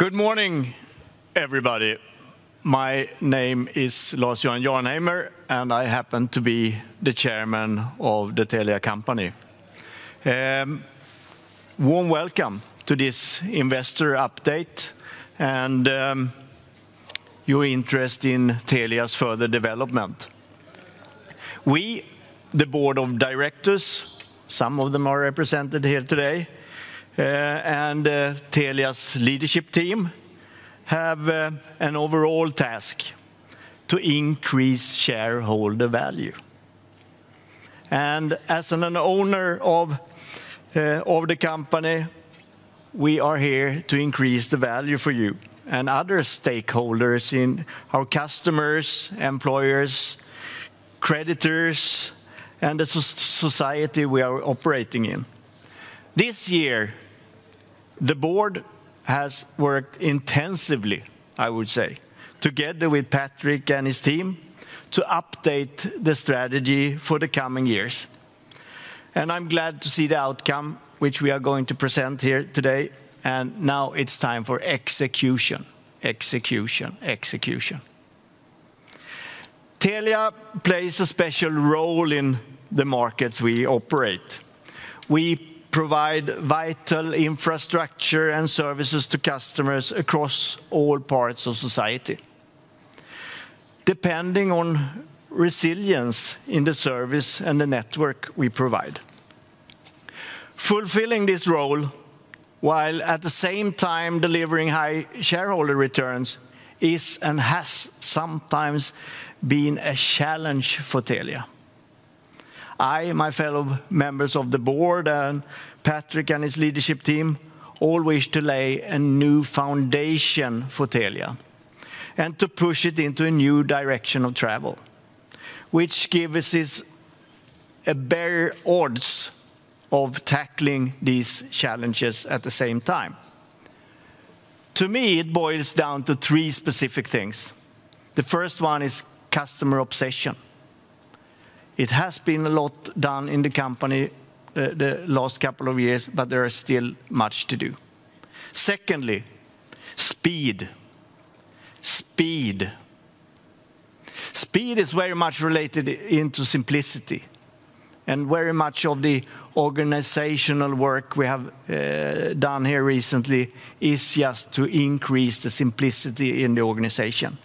Good morning, everybody. My name is Lars-Johan Jarnheimer, and I happen to be the chairman of the Telia Company. Warm welcome to this investor update, and your interest in Telia's further development. We, the board of directors, some of them are represented here today, and Telia's leadership team, have an overall task: to increase shareholder value, and as an owner of the company, we are here to increase the value for you and other stakeholders in our customers, employers, creditors, and the society we are operating in. This year, the board has worked intensively, I would say, together with Patrick and his team, to update the strategy for the coming years, and I'm glad to see the outcome, which we are going to present here today, and now it's time for execution, execution, execution. Telia plays a special role in the markets we operate. We provide vital infrastructure and services to customers across all parts of society, depending on resilience in the service and the network we provide. Fulfilling this role, while at the same time delivering high shareholder returns, is and has sometimes been a challenge for Telia. I, my fellow members of the board, and Patrick and his leadership team, all wish to lay a new foundation for Telia, and to push it into a new direction of travel, which gives us a better odds of tackling these challenges at the same time. To me, it boils down to three specific things. The first one is customer obsession. It has been a lot done in the company, the last couple of years, but there is still much to do. Secondly, speed. Speed. Speed is very much related to simplicity, and very much of the organizational work we have done here recently is just to increase the simplicity in the organization.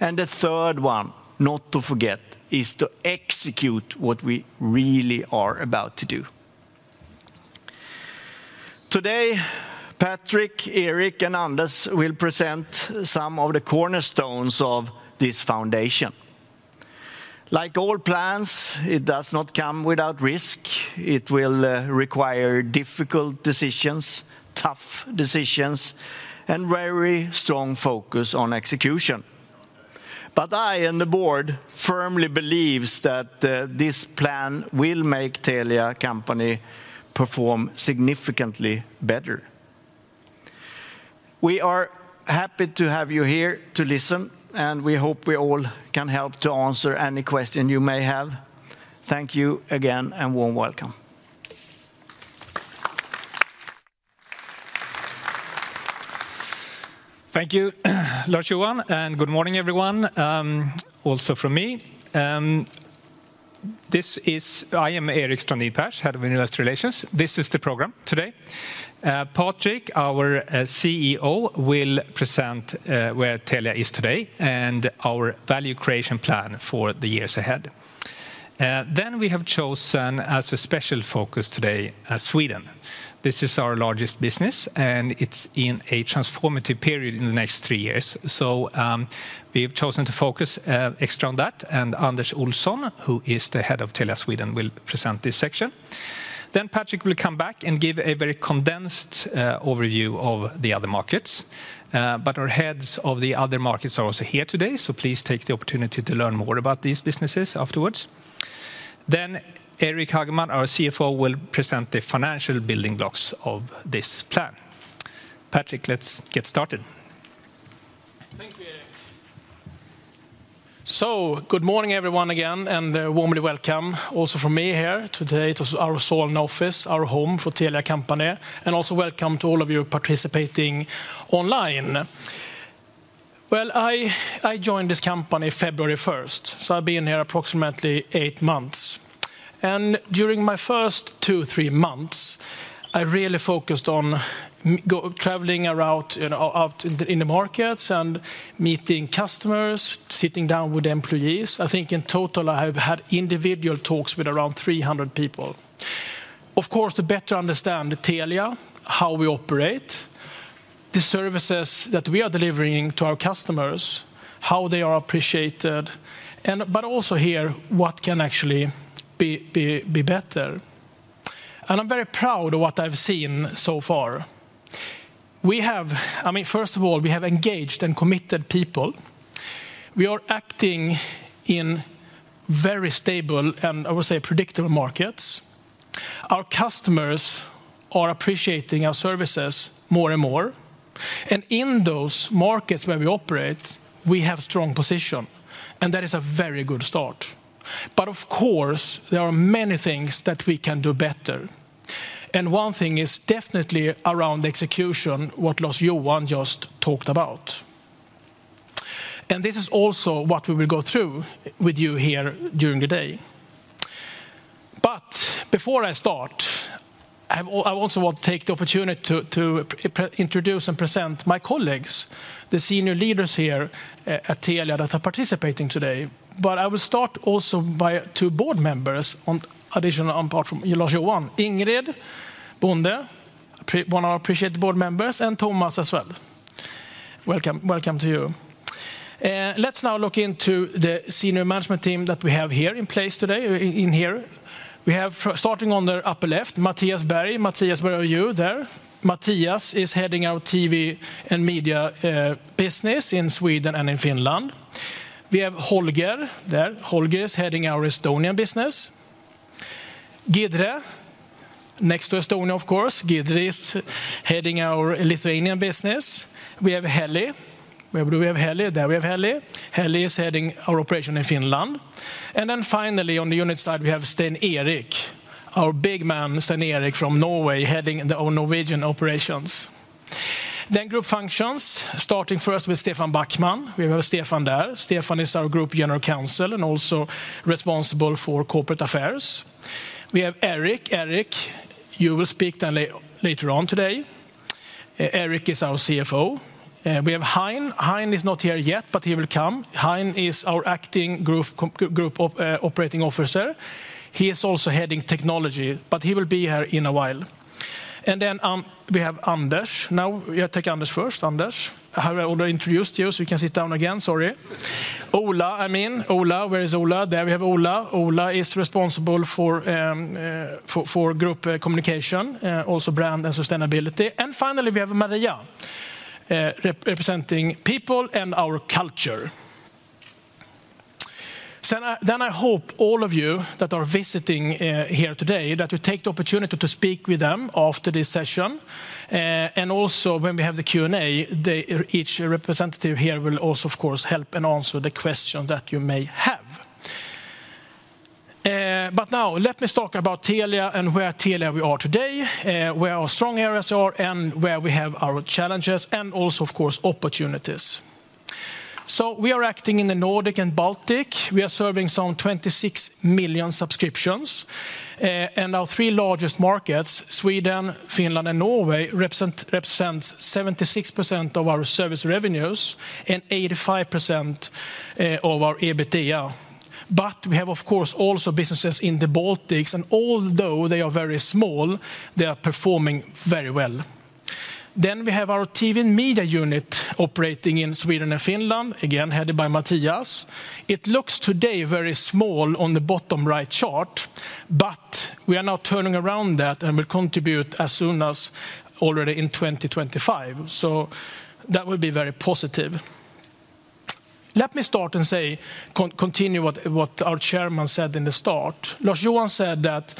And the third one, not to forget, is to execute what we really are about to do. Today, Patrik, Erik, and Anders will present some of the cornerstones of this foundation. Like all plans, it does not come without risk. It will require difficult decisions, tough decisions, and very strong focus on execution. But I and the board firmly believes that this plan will make Telia Company perform significantly better. We are happy to have you here to listen, and we hope we all can help to answer any question you may have. Thank you again, and warm welcome. Thank you, Lars-Johan, and good morning, everyone, also from me. I am Erik Strandberg, Head of Investor Relations. This is the program today. Patrik, our CEO, will present where Telia is today, and our value creation plan for the years ahead. We have chosen, as a special focus today, Sweden. This is our largest business, and it's in a transformative period in the next three years. We have chosen to focus extra on that, and Anders Olsson, who is the head of Telia Sweden, will present this section. Patrik will come back and give a very condensed overview of the other markets. But our heads of the other markets are also here today, so please take the opportunity to learn more about these businesses afterwards. Eric Hageman, our CFO, will present the financial building blocks of this plan. Patrik, let's get started. Thank you, Erik. Good morning, everyone, again, and warmly welcome, also from me here today to our Solna office, our home for Telia Company, and also welcome to all of you participating online. I joined this company February 1st, so I've been here approximately eight months. During my first two, three months, I really focused on traveling around, you know, out in the markets and meeting customers, sitting down with employees. I think in total, I have had individual talks with around three hundred people. Of course, to better understand the Telia, how we operate, the services that we are delivering to our customers, how they are appreciated, but also hear what can actually be better. I'm very proud of what I've seen so far. We have. I mean, first of all, we have engaged and committed people. We are acting in very stable, and I would say, predictable markets. Our customers are appreciating our services more and more, and in those markets where we operate, we have strong position, and that is a very good start. But of course, there are many things that we can do better. And one thing is definitely around execution, what Lars-Johan just talked about. And this is also what we will go through with you here during the day. But before I start, I also want to take the opportunity to introduce and present my colleagues, the senior leaders here at Telia that are participating today. But I will start also by two board members in addition, apart from Lars-Johan. Ingrid Bonde, one of our appreciated board members, and Thomas as well. Welcome, welcome to you. Let's now look into the senior management team that we have here in place today, in here. We have, starting on the upper left, Mathias Berg. Mathias, where are you there? Mathias is heading our TV and media business in Sweden and in Finland. We have Holger there. Holger is heading our Estonian business. Giedrė, next to Estonia, of course, Giedrė is heading our Lithuanian business. We have Heli. Where do we have Heli? There we have Heli. Heli is heading our operation in Finland. And then finally, on the unit side, we have Stein-Erik, our big man, Stein-Erik from Norway, heading our Norwegian operations. Then group functions, starting first with Stefan Backman. We have Stefan there. Stefan is our Group General Counsel and also responsible for corporate affairs. We have Eric. Eric, you will speak then later on today. Eric is our CFO. We have Hein. Hein is not here yet, but he will come. Hein is our acting Group Operating Officer. He is also heading technology, but he will be here in a while. And then, we have Anders. Now, we take Anders first. Anders, I have already introduced you, so you can sit down again, sorry. Ola, I mean, Ola, where is Ola? There we have Ola. Ola is responsible for group communication, also brand and sustainability. And finally, we have Maria, representing people and our culture. So then I hope all of you that are visiting here today, that you take the opportunity to speak with them after this session. And also, when we have the Q&A, each representative here will also, of course, help and answer the question that you may have. But now let me talk about Telia and where we are today, where our strong areas are, and where we have our challenges, and also, of course, opportunities. So we are acting in the Nordics and Baltics. We are serving some 26 million subscriptions, and our three largest markets, Sweden, Finland, and Norway, represent 76% of our service revenues and 85% of our EBITDA. But we have, of course, also businesses in the Baltics, and although they are very small, they are performing very well. Then we have our TV and media unit operating in Sweden and Finland, again, headed by Mathias. It looks today very small on the bottom right chart, but we are now turning around that and will contribute as soon as already in 2025. So that will be very positive. Let me start and say, continue what our chairman said in the start. Lars-Johan said that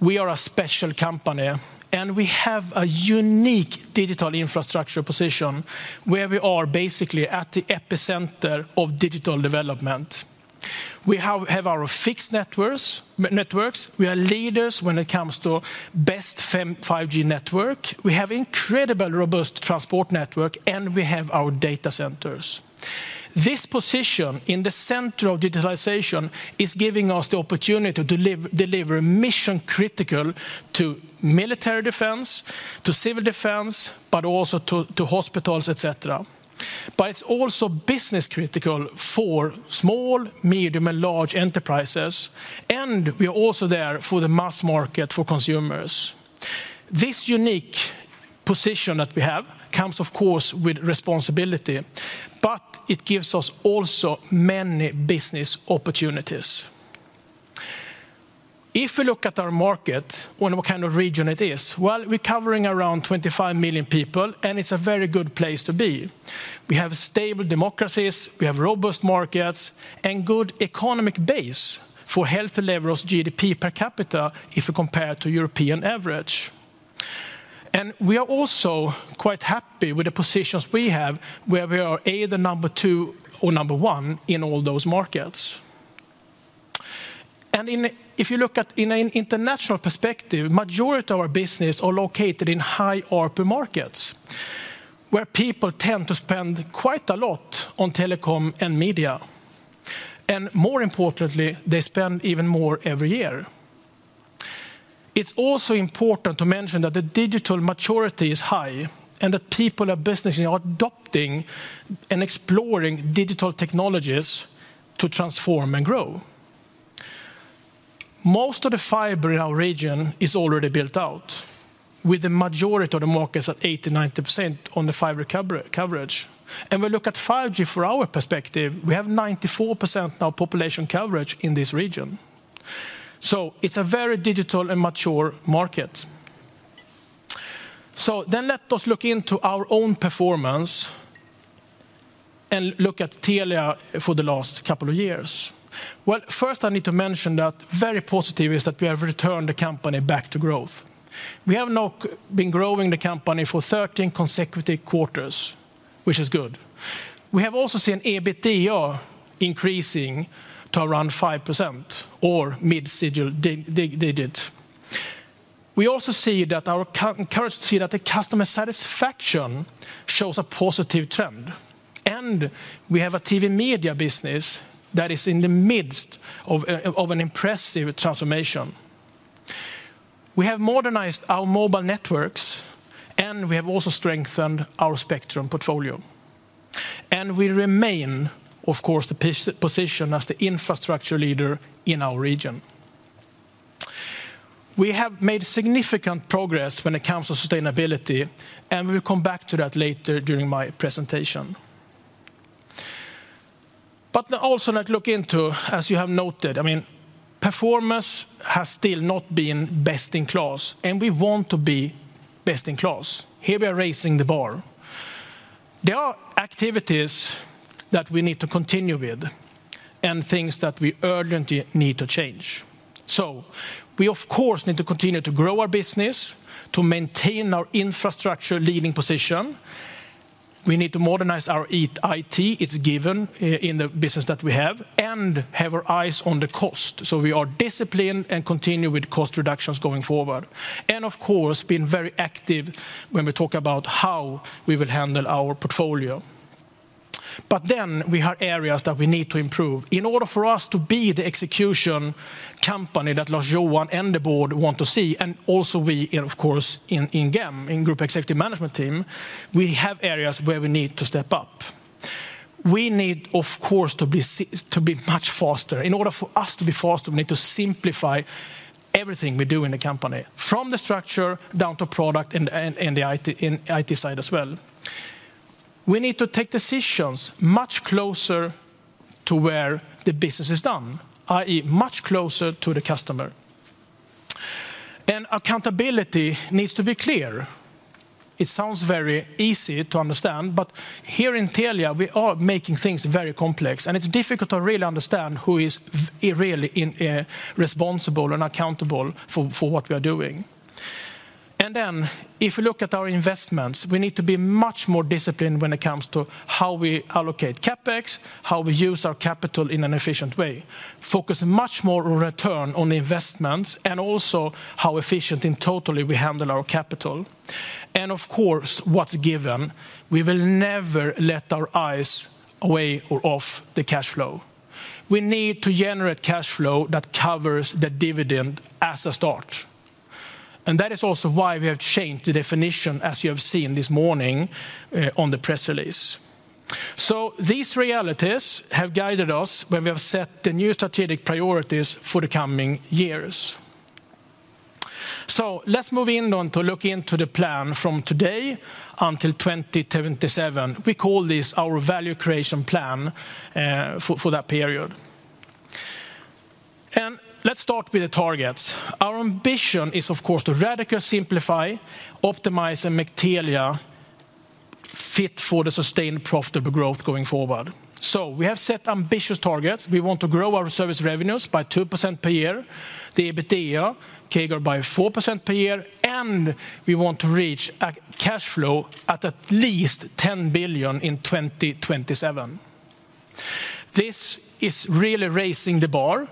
we are a special company, and we have a unique digital infrastructure position where we are basically at the epicenter of digital development. We have our fixed networks. We are leaders when it comes to best 5G network. We have incredible robust transport network, and we have our data centers. This position in the center of digitalization is giving us the opportunity to deliver mission-critical to military defense, to civil defense, but also to hospitals, et cetera. But it's also business-critical for small, medium, and large enterprises, and we are also there for the mass market for consumers. This unique position that we have comes, of course, with responsibility, but it gives us also many business opportunities. If we look at our market, what, what kind of region it is, well, we're covering around 25 million people, and it's a very good place to be. We have stable democracies, we have robust markets, and good economic base for healthy levels GDP per capita if we compare to European average, and we are also quite happy with the positions we have, where we are either number two or number one in all those markets, and if you look at in an international perspective, majority of our business are located in high ARPU markets, where people tend to spend quite a lot on telecom and media, and more importantly, they spend even more every year. It's also important to mention that the digital maturity is high and that people and businesses are adopting and exploring digital technologies to transform and grow. Most of the fiber in our region is already built out, with the majority of the markets at 80-90% on the fiber coverage. And we look at 5G from our perspective, we have 94% now population coverage in this region. So it's a very digital and mature market. So then let us look into our own performance and look at Telia for the last couple of years. Well, first, I need to mention that very positive is that we have returned the company back to growth. We have now been growing the company for 13 consecutive quarters, which is good. We have also seen EBITDA increasing to around 5% or mid single-digit. We also see that we're encouraged to see that the customer satisfaction shows a positive trend, and we have a TV media business that is in the midst of an impressive transformation. We have modernized our mobile networks, and we have also strengthened our spectrum portfolio. We remain, of course, the position as the infrastructure leader in our region. We have made significant progress when it comes to sustainability, and we will come back to that later during my presentation. But also, let's look into, as you have noted, I mean, performance has still not been best in class, and we want to be best in class. Here, we are raising the bar. There are activities that we need to continue with and things that we urgently need to change. So we, of course, need to continue to grow our business, to maintain our infrastructure-leading position. We need to modernize our IT; it's given in the business that we have, and have our eyes on the cost, so we are disciplined and continue with cost reductions going forward, and of course, being very active when we talk about how we will handle our portfolio, but then we have areas that we need to improve. In order for us to be the execution company that Lars-Johan and the board want to see, and also we, of course, in GEM, in Group Executive Management team, we have areas where we need to step up. We need, of course, to be much faster. In order for us to be faster, we need to simplify everything we do in the company, from the structure down to product and the IT side as well. We need to take decisions much closer to where the business is done, i.e., much closer to the customer. Accountability needs to be clear. It sounds very easy to understand, but here in Telia, we are making things very complex, and it's difficult to really understand who is really responsible and accountable for what we are doing. Then if you look at our investments, we need to be much more disciplined when it comes to how we allocate CapEx, how we use our capital in an efficient way, focus much more on return on investments, and also how efficient in total we handle our capital. Of course, what's given, we will never let our eyes away or off the cash flow. We need to generate cash flow that covers the dividend as a start. That is also why we have changed the definition, as you have seen this morning, on the press release. These realities have guided us when we have set the new strategic priorities for the coming years. Let's move in on to look into the plan from today until 2027. We call this our value creation plan for that period. Let's start with the targets. Our ambition is, of course, to radically simplify, optimize, and make Telia fit for the sustained profitable growth going forward. We have set ambitious targets. We want to grow our service revenues by 2% per year, the EBITDA CAGR by 4% per year, and we want to reach a cash flow of at least 10 billion in 2027. This is really raising the bar,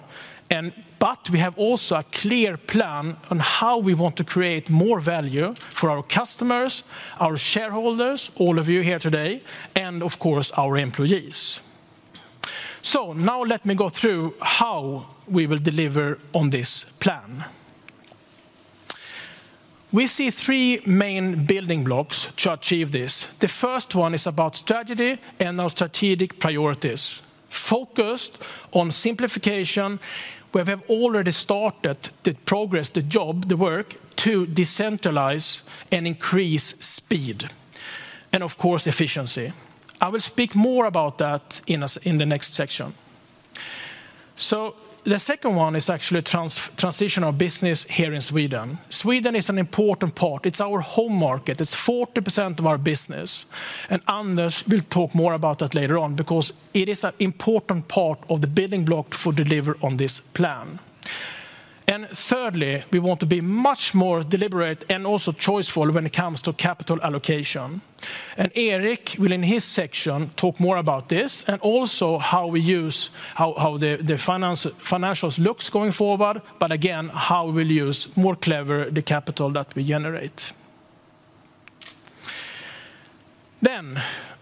but we have also a clear plan on how we want to create more value for our customers, our shareholders, all of you here today, and of course, our employees. So now let me go through how we will deliver on this plan. We see three main building blocks to achieve this. The first one is about strategy and our strategic priorities, focused on simplification, where we have already started the progress, the job, the work, to decentralize and increase speed, and of course, efficiency. I will speak more about that in the next section. The second one is actually transitional business here in Sweden. Sweden is an important part. It's our home market. It's 40% of our business, and Anders will talk more about that later on because it is an important part of the building block for deliver on this plan. Thirdly, we want to be much more deliberate and also choiceful when it comes to capital allocation. And Eric will, in his section, talk more about this and also how we use the financials look going forward, but again, how we'll use more clever the capital that we generate.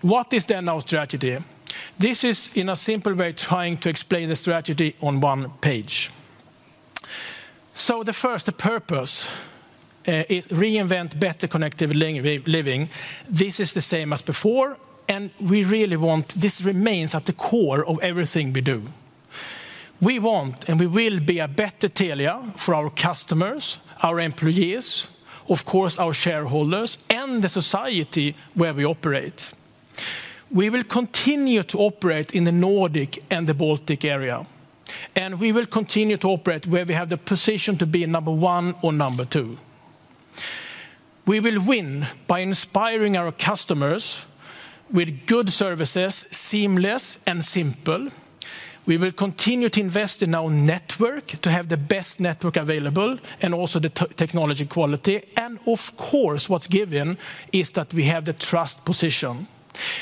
What is then our strategy? This is, in a simple way, trying to explain the strategy on one page. The first, the purpose, it reinvent better connected living. This is the same as before, and we really want this remains at the core of everything we do. We want, and we will be a better Telia for our customers, our employees, of course, our shareholders, and the society where we operate. We will continue to operate in the Nordic and the Baltic area, and we will continue to operate where we have the position to be number one or number two. We will win by inspiring our customers with good services, seamless and simple. We will continue to invest in our network to have the best network available, and also the technology quality, and of course, what's given is that we have the trust position.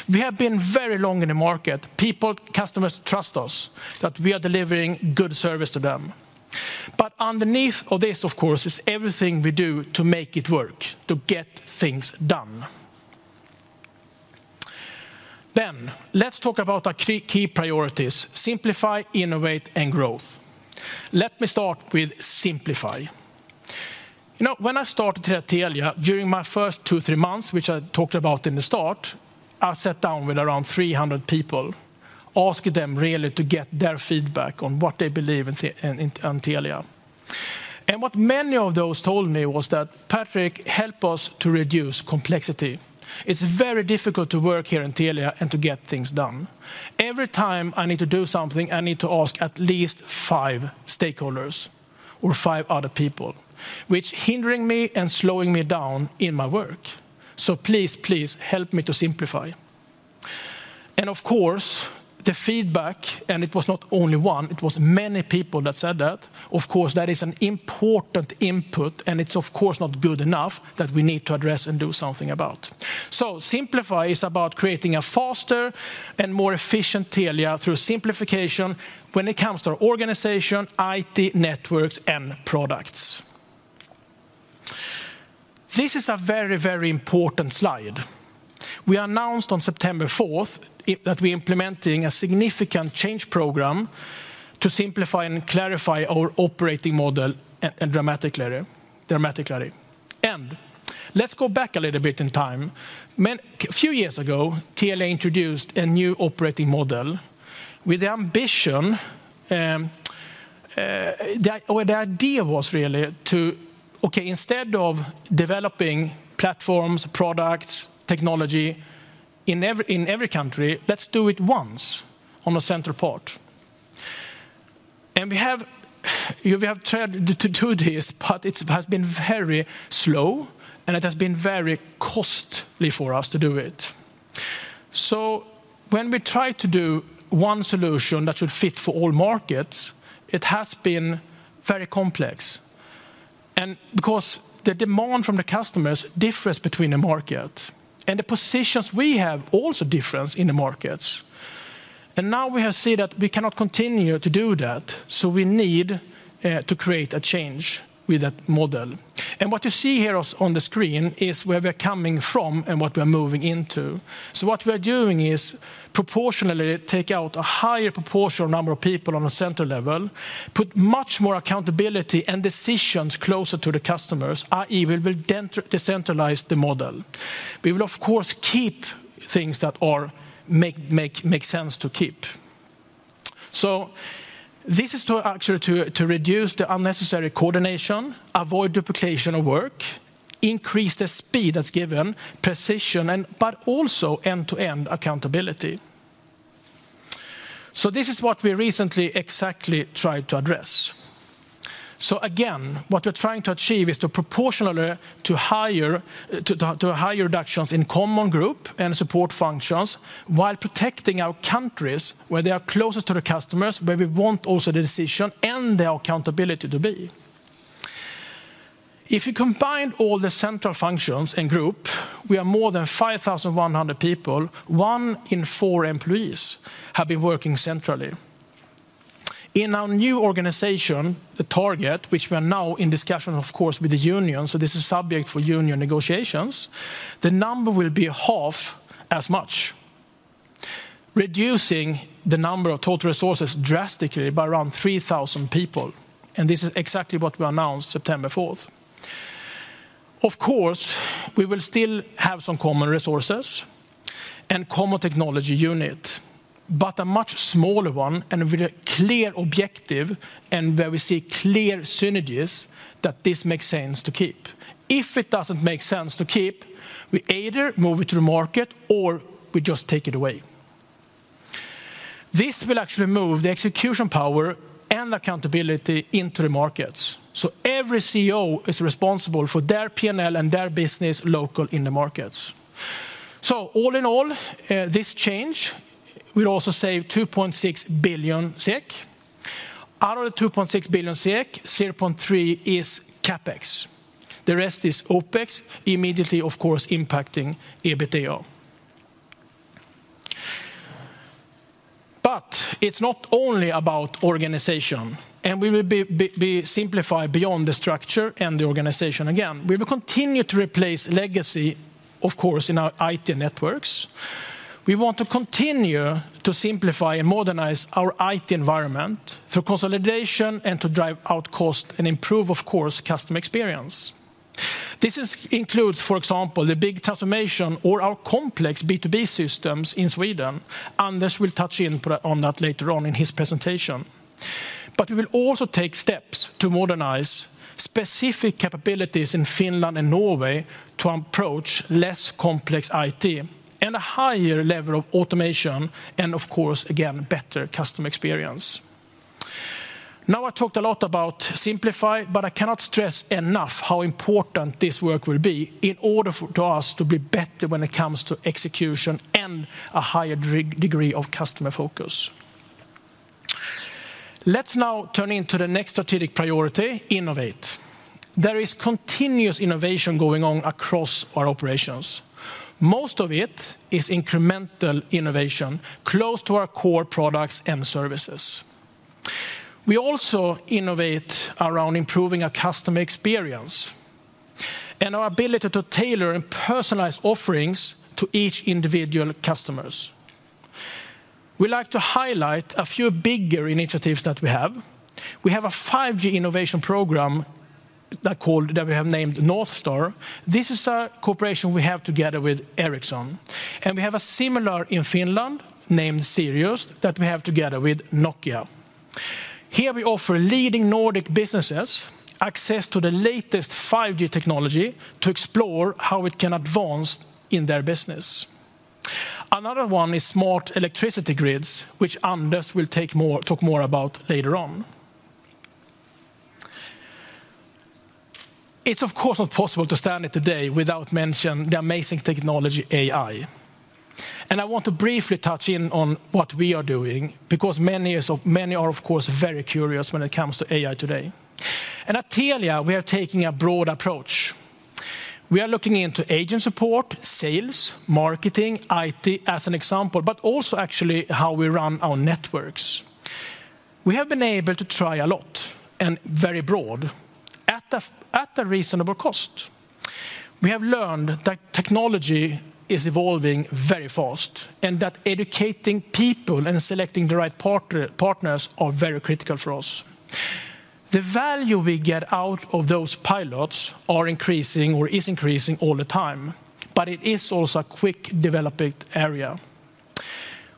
We have been very long in the market. People, customers trust us, that we are delivering good service to them. But underneath all this, of course, is everything we do to make it work, to get things done. Then, let's talk about our key, key priorities: simplify, innovate, and growth. Let me start with simplify. You know, when I started here at Telia, during my first two, three months, which I talked about in the start, I sat down with around three hundred people, asking them really to get their feedback on what they believe in in Telia. And what many of those told me was that, "Patrik, help us to reduce complexity. It's very difficult to work here in Telia and to get things done. Every time I need to do something, I need to ask at least five stakeholders or five other people, which hindering me and slowing me down in my work. So please, please help me to simplify." And of course, the feedback, and it was not only one, it was many people that said that, of course, that is an important input, and it's of course not good enough, that we need to address and do something about. So simplify is about creating a faster and more efficient Telia through simplification when it comes to our organization, IT, networks, and products. This is a very, very important slide. We announced on September fourth that we're implementing a significant change program to simplify and clarify our operating model dramatically, dramatically. And let's go back a little bit in time. A few years ago, Telia introduced a new operating model with the ambition... Or the idea was really to, okay, instead of developing platforms, products, technology in every country, let's do it once on a central part. We have tried to do this, but it has been very slow, and it has been very costly for us to do it. When we try to do one solution that should fit for all markets, it has been very complex. Because the demand from the customers differs between the market, and the positions we have also difference in the markets. Now we have seen that we cannot continue to do that, so we need to create a change with that model. What you see here on the screen is where we're coming from and what we're moving into. So what we're doing is proportionally take out a higher proportional number of people on a central level, put much more accountability and decisions closer to the customers, i.e. we will decentralize the model. We will, of course, keep things that make sense to keep. So this is actually to reduce the unnecessary coordination, avoid duplication of work, increase the speed that's given, precision, and but also end-to-end accountability. So this is what we recently exactly tried to address. So again, what we're trying to achieve is proportionally higher reductions in common group and support functions, while protecting our countries where they are closest to the customers, where we want also the decision and the accountability to be. If you combine all the central functions in group, we are more than 5,100 people. One in four employees have been working centrally. In our new organization, the target, which we are now in discussion, of course, with the union, so this is subject for union negotiations, the number will be half as much, reducing the number of total resources drastically by around three thousand people, and this is exactly what we announced September fourth. Of course, we will still have some common resources and common technology unit, but a much smaller one and with a clear objective and where we see clear synergies that this makes sense to keep. If it doesn't make sense to keep, we either move it to the market or we just take it away. This will actually move the execution power and accountability into the markets. So every CEO is responsible for their P&L and their business local in the markets. All in all, this change will also save 2.6 billion SEK. Out of the 2.6 billion SEK, 0.3 is CapEx. The rest is OpEx, immediately, of course, impacting EBITDA. But it's not only about organization, and we will simplify beyond the structure and the organization again. We will continue to replace legacy, of course, in our IT networks. We want to continue to simplify and modernize our IT environment for consolidation and to drive out cost and improve, of course, customer experience. This includes, for example, the big transformation of our complex B2B systems in Sweden. Anders will touch on that later on in his presentation. But we will also take steps to modernize specific capabilities in Finland and Norway to approach less complex IT and a higher level of automation, and of course, again, better customer experience. Now, I talked a lot about simplify, but I cannot stress enough how important this work will be in order for us to be better when it comes to execution and a higher degree of customer focus. Let's now turn into the next strategic priority, innovate. There is continuous innovation going on across our operations. Most of it is incremental innovation, close to our core products and services. We also innovate around improving our customer experience and our ability to tailor and personalize offerings to each individual customers. We like to highlight a few bigger initiatives that we have. We have a 5G innovation program that we have named NorthStar. This is a cooperation we have together with Ericsson, and we have a similar in Finland, named Sirius, that we have together with Nokia. Here we offer leading Nordic businesses access to the latest 5G technology to explore how it can advance in their business. Another one is smart electricity grids, which Anders will talk more about later on. It's, of course, not possible to stand here today without mentioning the amazing technology, AI. I want to briefly touch in on what we are doing, because many are, of course, very curious when it comes to AI today. At Telia, we are taking a broad approach. We are looking into agent support, sales, marketing, IT, as an example, but also actually how we run our networks. We have been able to try a lot and very broad at a reasonable cost. We have learned that technology is evolving very fast, and that educating people and selecting the right partners are very critical for us. The value we get out of those pilots are increasing, or is increasing all the time, but it is also a quick developing area.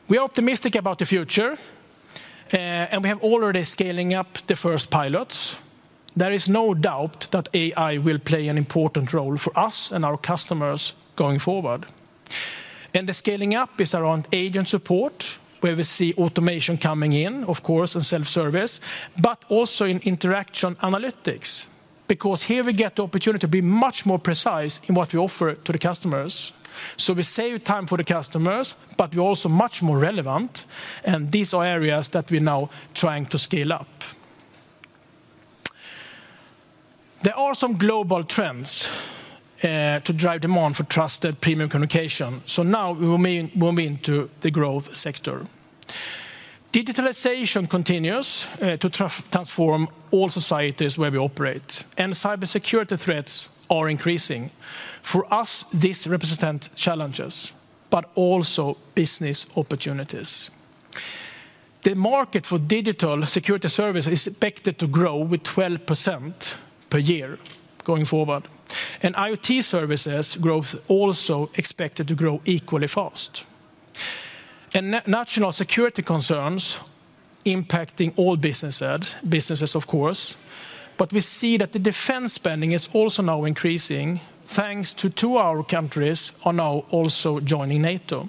We are optimistic about the future, and we have already scaling up the first pilots. There is no doubt that AI will play an important role for us and our customers going forward, and the scaling up is around agent support, where we see automation coming in, of course, and self-service, but also in interaction analytics, because here we get the opportunity to be much more precise in what we offer to the customers. So we save time for the customers, but we're also much more relevant, and these are areas that we're now trying to scale up. There are some global trends to drive demand for trusted premium communication. So now we will move into the growth sector. Digitalization continues to transform all societies where we operate, and cybersecurity threats are increasing. For us, this represent challenges, but also business opportunities. The market for digital security service is expected to grow with 12% per year going forward, and IoT services growth also expected to grow equally fast. And national security concerns impacting all businesses, of course, but we see that the defense spending is also now increasing, thanks to two our countries are now also joining NATO.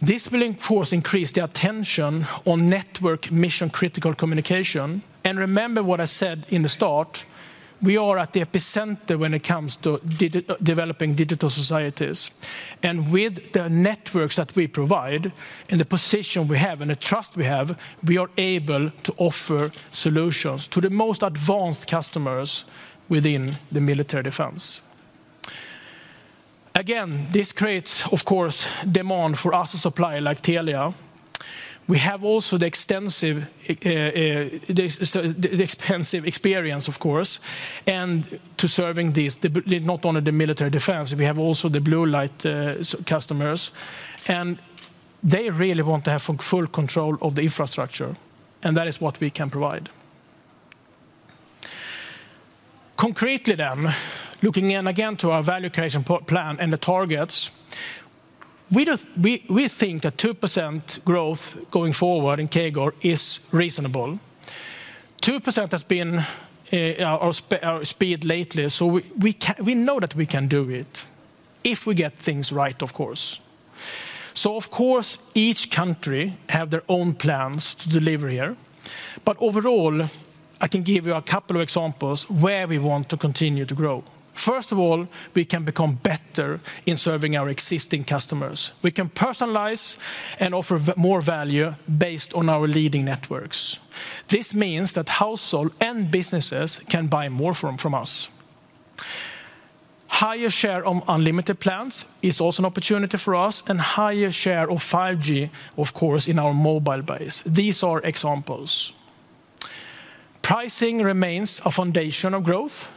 This will, of course, increase the attention on network mission-critical communication. And remember what I said in the start, we are at the epicenter when it comes to developing digital societies. With the networks that we provide, and the position we have, and the trust we have, we are able to offer solutions to the most advanced customers within the military defense. Again, this creates, of course, demand for us to supply, like Telia. We have also the extensive experience, of course, and to serving these, not only the military defense, we have also the blue light customers, and they really want to have full control of the infrastructure, and that is what we can provide. Concretely, looking again to our value creation plan and the targets, we think that 2% growth going forward in CAGR is reasonable. 2% has been our speed lately, so we can. We know that we can do it if we get things right, of course. So of course, each country have their own plans to deliver here. But overall, I can give you a couple of examples where we want to continue to grow. First of all, we can become better in serving our existing customers. We can personalize and offer more value based on our leading networks. This means that households and businesses can buy more from us. Higher share of unlimited plans is also an opportunity for us, and higher share of 5G, of course, in our mobile base. These are examples. Pricing remains a foundation of growth.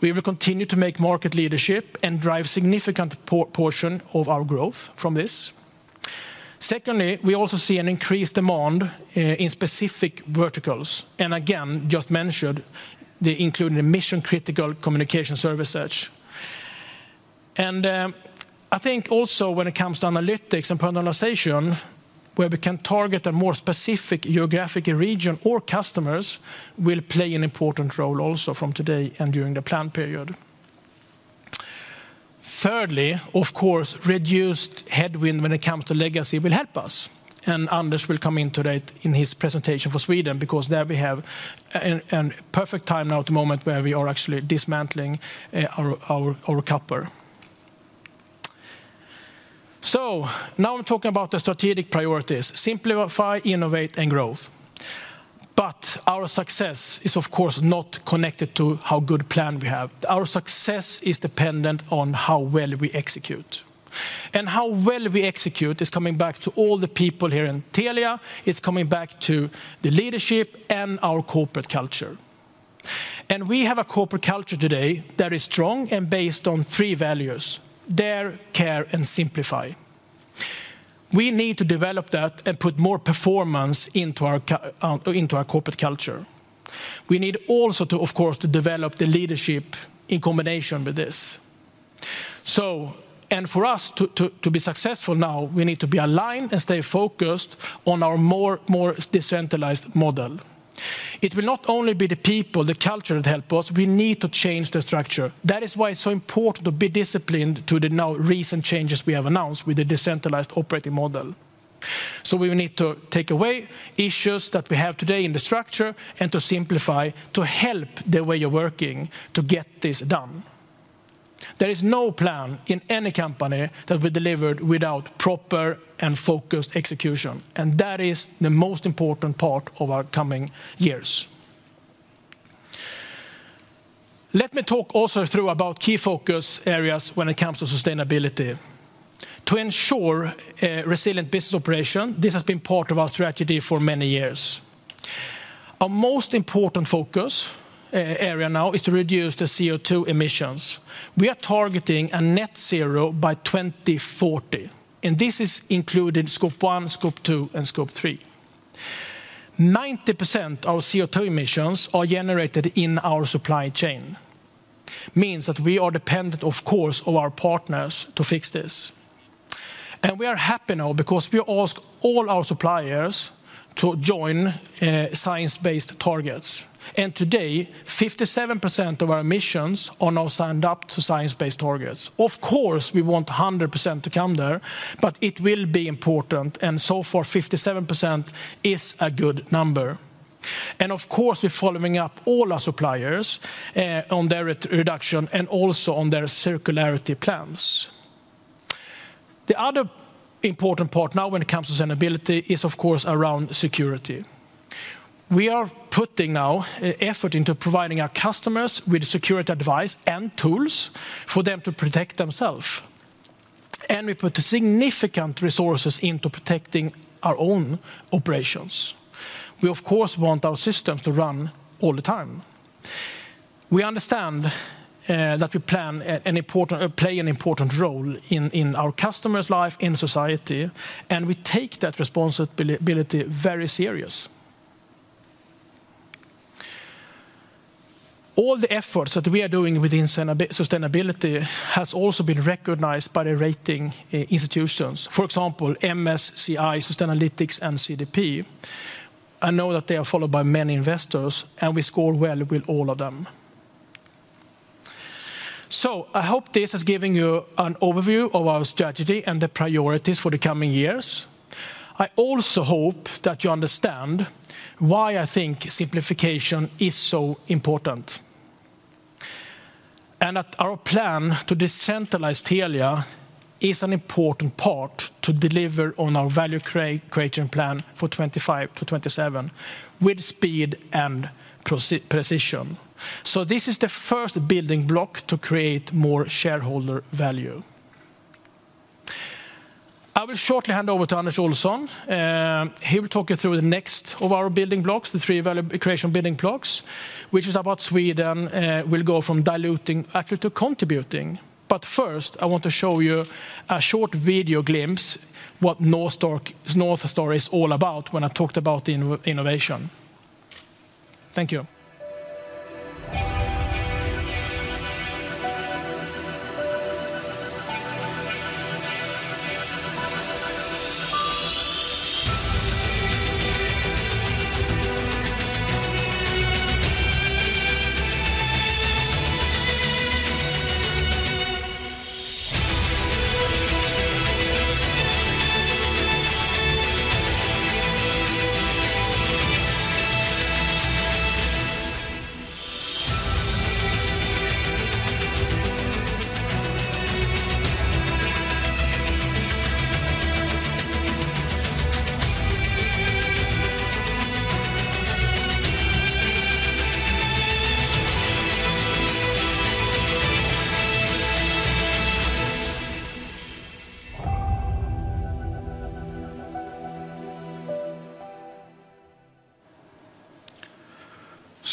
We will continue to make market leadership and drive significant portion of our growth from this. Secondly, we also see an increased demand in specific verticals, and again, just mentioned, they include mission-critical communication services such. And I think also when it comes to analytics and personalization, where we can target a more specific geographic region or customers, will play an important role also from today and during the plan period. Thirdly, of course, reduced headwind when it comes to legacy will help us, and Anders will come into that in his presentation for Sweden, because there we have a perfect time now at the moment where we are actually dismantling our copper. So now I'm talking about the strategic priorities: simplify, innovate, and growth. But our success is, of course, not connected to how good plan we have. Our success is dependent on how well we execute. And how well we execute is coming back to all the people here in Telia. It's coming back to the leadership and our corporate culture. We have a corporate culture today that is strong and based on three values: dare, care, and simplify. We need to develop that and put more performance into our corporate culture. We need also, of course, to develop the leadership in combination with this. And for us to be successful now, we need to be aligned and stay focused on our more decentralized model. It will not only be the people, the culture that help us. We need to change the structure. That is why it is so important to be disciplined to the now recent changes we have announced with the decentralized operating model. We will need to take away issues that we have today in the structure and to simplify to help the way you are working to get this done. There is no plan in any company that will be delivered without proper and focused execution, and that is the most important part of our coming years. Let me talk also through about key focus areas when it comes to sustainability. To ensure resilient business operation, this has been part of our strategy for many years. Our most important focus area now is to reduce the CO₂ emissions. We are targeting a net zero by 2040, and this is included Scope 1, Scope 2, and Scope 3. 90% of our CO₂ emissions are generated in our supply chain, means that we are dependent, of course, on our partners to fix this. And we are happy now because we ask all our suppliers to join science-based targets, and today, 57% of our emissions are now signed up to science-based targets. Of course, we want 100% to come there, but it will be important, and so far, 57% is a good number. And of course, we're following up all our suppliers on their reduction and also on their circularity plans. The other important part now when it comes to sustainability is, of course, around security. We are putting now effort into providing our customers with security advice and tools for them to protect themselves, and we put significant resources into protecting our own operations. We, of course, want our system to run all the time. We understand that we play an important role in our customer's life, in society, and we take that responsibility very serious. All the efforts that we are doing within sustainability has also been recognized by the rating institutions. For example, MSCI, Sustainalytics, and CDP. I know that they are followed by many investors, and we score well with all of them. So I hope this has given you an overview of our strategy and the priorities for the coming years. I also hope that you understand why I think simplification is so important, and that our plan to decentralize Telia is an important part to deliver on our value creation plan for 2025 to 2027, with speed and precision. So this is the first building block to create more shareholder value. I will shortly hand over to Anders Olsson. He will talk you through the next of our building blocks, the three value creation building blocks, which is about Sweden, will go from diluting actually to contributing. But first, I want to show you a short video glimpse, what NorthStar is all about when I talked about innovation. Thank you.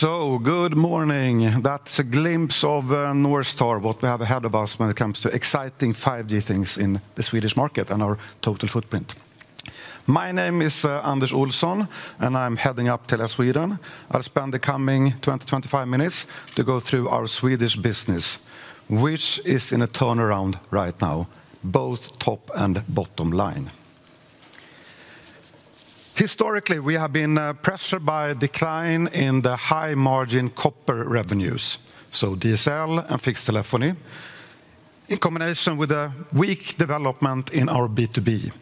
Good morning. That's a glimpse of NorthStar, what we have ahead of us when it comes to exciting 5G things in the Swedish market and our total footprint. My name is Anders Olsson, and I'm heading up Telia Sweden. I'll spend the coming 20-25 minutes to go through our Swedish business, which is in a turnaround right now, both top and bottom line. Historically, we have been pressured by a decline in the high-margin copper revenues, so DSL and fixed telephony, in combination with a weak development in our B2B.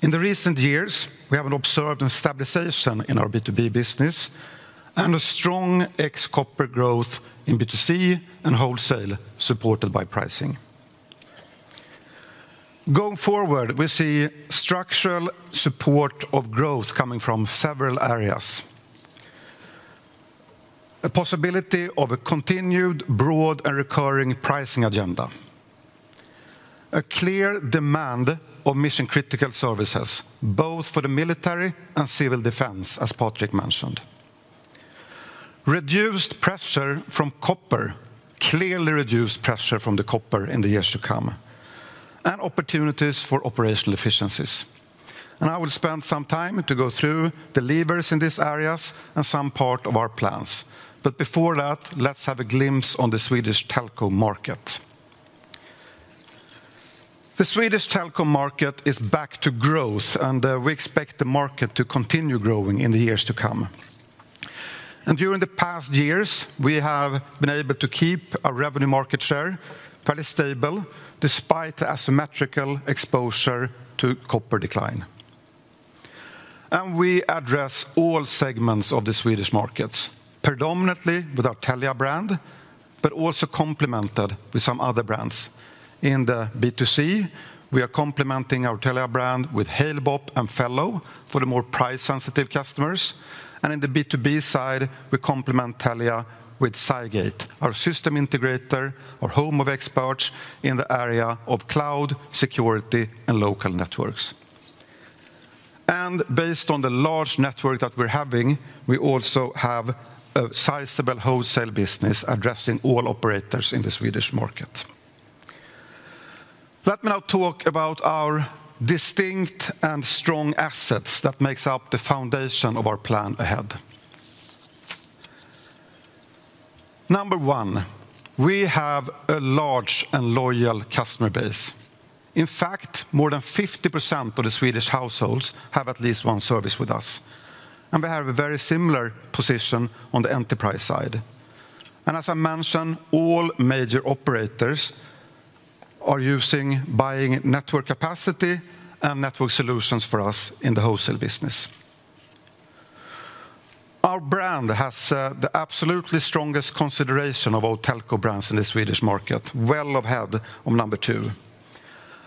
In the recent years, we have observed a stabilization in our B2B business, and a strong ex-copper growth in B2C and wholesale, supported by pricing. Going forward, we see structural support of growth coming from several areas: a possibility of a continued broad and recurring pricing agenda, a clear demand of mission-critical services, both for the military and civil defense, as Patrick mentioned. Reduced pressure from copper, clearly reduced pressure from the copper in the years to come, and opportunities for operational efficiencies. And I will spend some time to go through the levers in these areas and some part of our plans. But before that, let's have a glimpse on the Swedish telco market. The Swedish telco market is back to growth, and we expect the market to continue growing in the years to come. And during the past years, we have been able to keep our revenue market share fairly stable, despite the asymmetrical exposure to copper decline. We address all segments of the Swedish markets, predominantly with our Telia brand, but also complemented with some other brands. In the B2C, we are complementing our Telia brand with Halebop and Fello for the more price-sensitive customers, and in the B2B side, we complement Telia with Cygate, our system integrator, our home of experts in the area of cloud, security, and local networks. Based on the large network that we're having, we also have a sizable wholesale business addressing all operators in the Swedish market. Let me now talk about our distinct and strong assets that makes up the foundation of our plan ahead. Number one, we have a large and loyal customer base. In fact, more than 50% of the Swedish households have at least one service with us, and we have a very similar position on the enterprise side. And as I mentioned, all major operators are using and buying network capacity and network solutions for us in the wholesale business. Our brand has the absolutely strongest consideration of all telco brands in the Swedish market, well ahead of number two,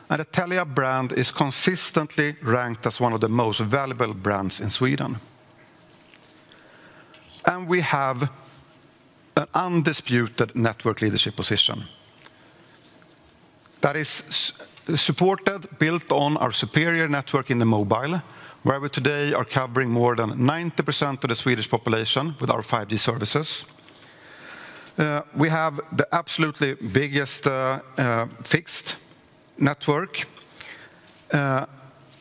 and the Telia brand is consistently ranked as one of the most valuable brands in Sweden. We have an undisputed network leadership position that is supported, built on our superior network in the mobile, where we today are covering more than 90% of the Swedish population with our 5G services. We have the absolutely biggest fixed network,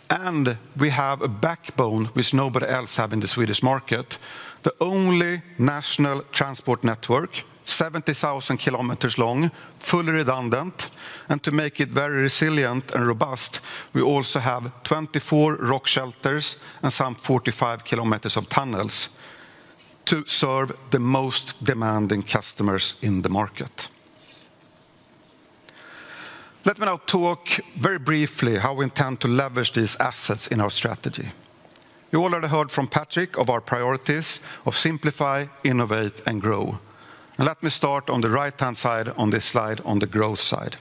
and we have a backbone which nobody else have in the Swedish market. The only national transport network, 70,000 km long, fully redundant, and to make it very resilient and robust, we also have 24 rock shelters and some 45 km of tunnels to serve the most demanding customers in the market. Let me now talk very briefly how we intend to leverage these assets in our strategy. You already heard from Patrick of our priorities of simplify, innovate, and grow. And let me start on the right-hand side on this slide, on the growth side.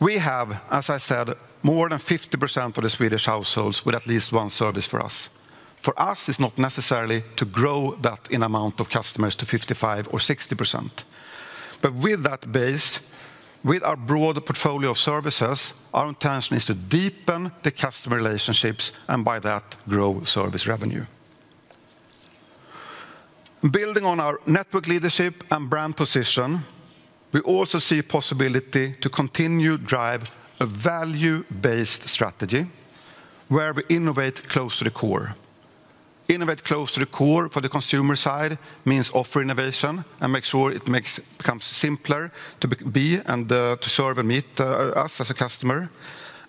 We have, as I said, more than 50% of the Swedish households with at least one service for us. For us, it's not necessarily to grow that in amount of customers to 55% or 60%. But with that base, with our broader portfolio of services, our intention is to deepen the customer relationships, and by that, grow service revenue. Building on our network leadership and brand position, we also see possibility to continue drive a value-based strategy, where we innovate close to the core. Innovate close to the core for the consumer side means offer innovation and make sure it becomes simpler to be, and, to serve and meet, us as a customer.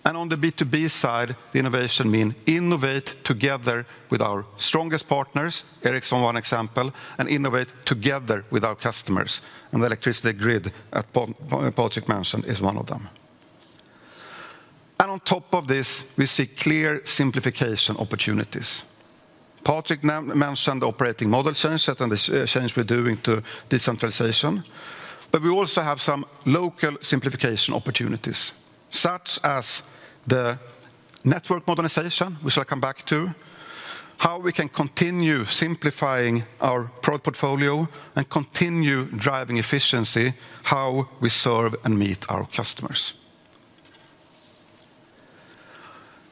And on the B2B side, the innovation mean innovate together with our strongest partners, Ericsson, one example, and innovate together with our customers, and the electricity grid, as Patrick mentioned, is one of them. And on top of this, we see clear simplification opportunities. Patrik mentioned the operating model change, that and the change we're doing to decentralization, but we also have some local simplification opportunities, such as the network modernization, which I'll come back to, how we can continue simplifying our product portfolio and continue driving efficiency, how we serve and meet our customers.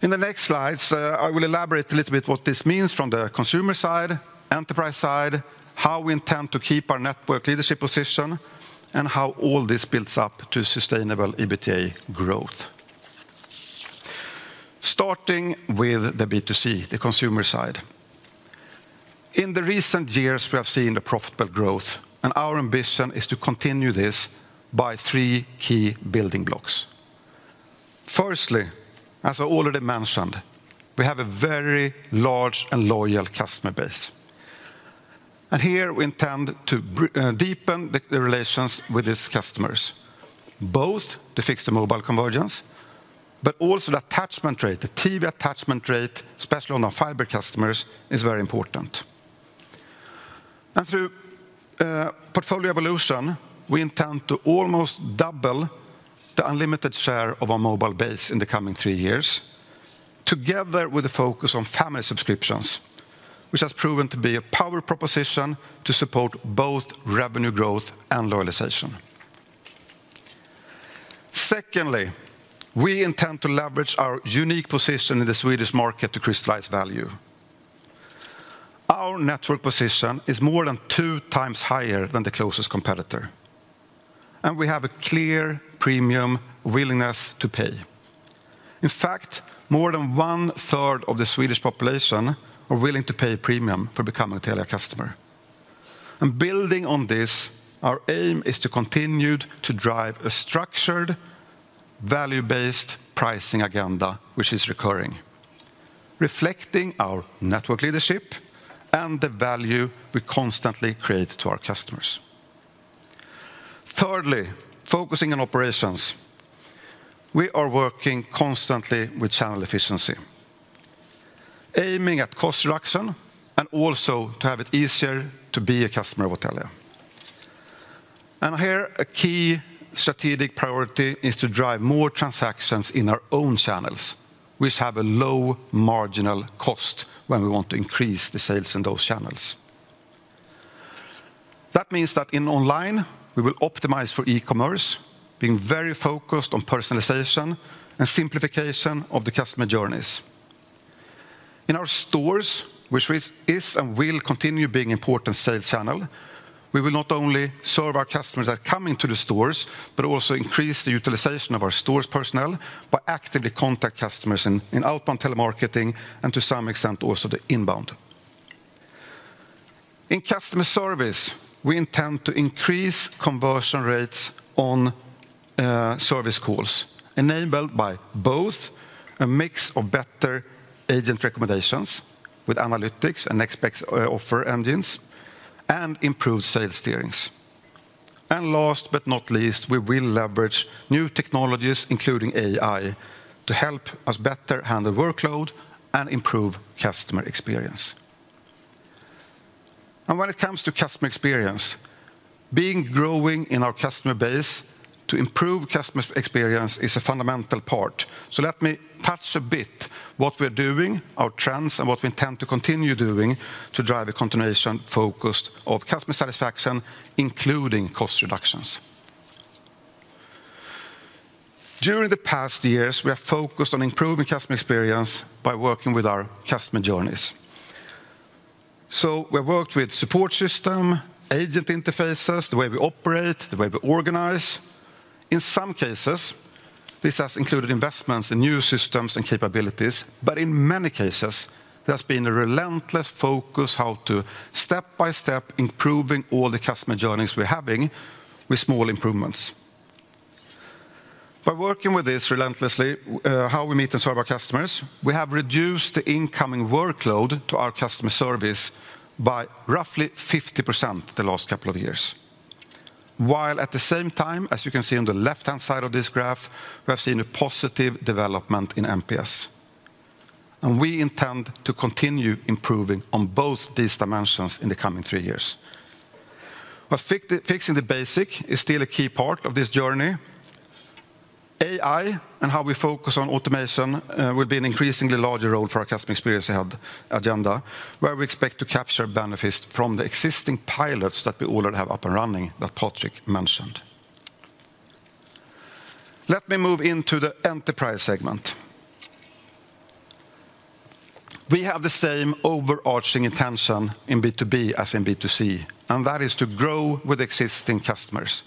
In the next slides, I will elaborate a little bit what this means from the consumer side, enterprise side, how we intend to keep our network leadership position, and how all this builds up to sustainable EBITDA growth. Starting with the B2C, the consumer side. In the recent years, we have seen a profitable growth, and our ambition is to continue this by three key building blocks. Firstly, as I already mentioned, we have a very large and loyal customer base, and here we intend to deepen the relations with these customers, both to fix the mobile convergence, but also the attachment rate. The TV attachment rate, especially on our fiber customers, is very important. Through portfolio evolution, we intend to almost double the unlimited share of our mobile base in the coming three years, together with a focus on family subscriptions, which has proven to be a power proposition to support both revenue growth and loyalization. Secondly, we intend to leverage our unique position in the Swedish market to crystallize value. Our network position is more than two times higher than the closest competitor, and we have a clear premium willingness to pay. In fact, more than one-third of the Swedish population are willing to pay a premium for becoming a Telia customer, and building on this, our aim is to continue to drive a structured, value-based pricing agenda, which is recurring, reflecting our network leadership and the value we constantly create to our customers. Thirdly, focusing on operations. We are working constantly with channel efficiency, aiming at cost reduction and also to have it easier to be a customer of Telia, and here, a key strategic priority is to drive more transactions in our own channels, which have a low marginal cost when we want to increase the sales in those channels. That means that in online, we will optimize for e-commerce, being very focused on personalization and simplification of the customer journeys. In our stores, which is and will continue being important sales channel, we will not only serve our customers that come into the stores, but also increase the utilization of our stores' personnel by actively contact customers in outbound telemarketing and to some extent, also the inbound. In customer service, we intend to increase conversion rates on service calls, enabled by both a mix of better agent recommendations with analytics and experts offer engines and improved sales steering. And last but not least, we will leverage new technologies, including AI, to help us better handle workload and improve customer experience. And when it comes to customer experience, by growing in our customer base to improve customer experience is a fundamental part. So let me touch a bit what we're doing, our trends, and what we intend to continue doing to drive a continuation focus of customer satisfaction, including cost reductions. During the past years, we have focused on improving customer experience by working with our customer journeys. So we worked with support system, agent interfaces, the way we operate, the way we organize. In some cases, this has included investments in new systems and capabilities, but in many cases, there's been a relentless focus how to step-by-step improving all the customer journeys we're having with small improvements. By working with this relentlessly, how we meet and serve our customers, we have reduced the incoming workload to our customer service by roughly 50% the last couple of years. While at the same time, as you can see on the left-hand side of this graph, we have seen a positive development in NPS, and we intend to continue improving on both these dimensions in the coming three years, but fixing the basics is still a key part of this journey. AI and how we focus on automation will be an increasingly larger role for our customer experience ahead agenda, where we expect to capture benefits from the existing pilots that we already have up and running, that Patrik mentioned. Let me move into the enterprise segment. We have the same overarching intention in B2B as in B2C, and that is to grow with existing customers.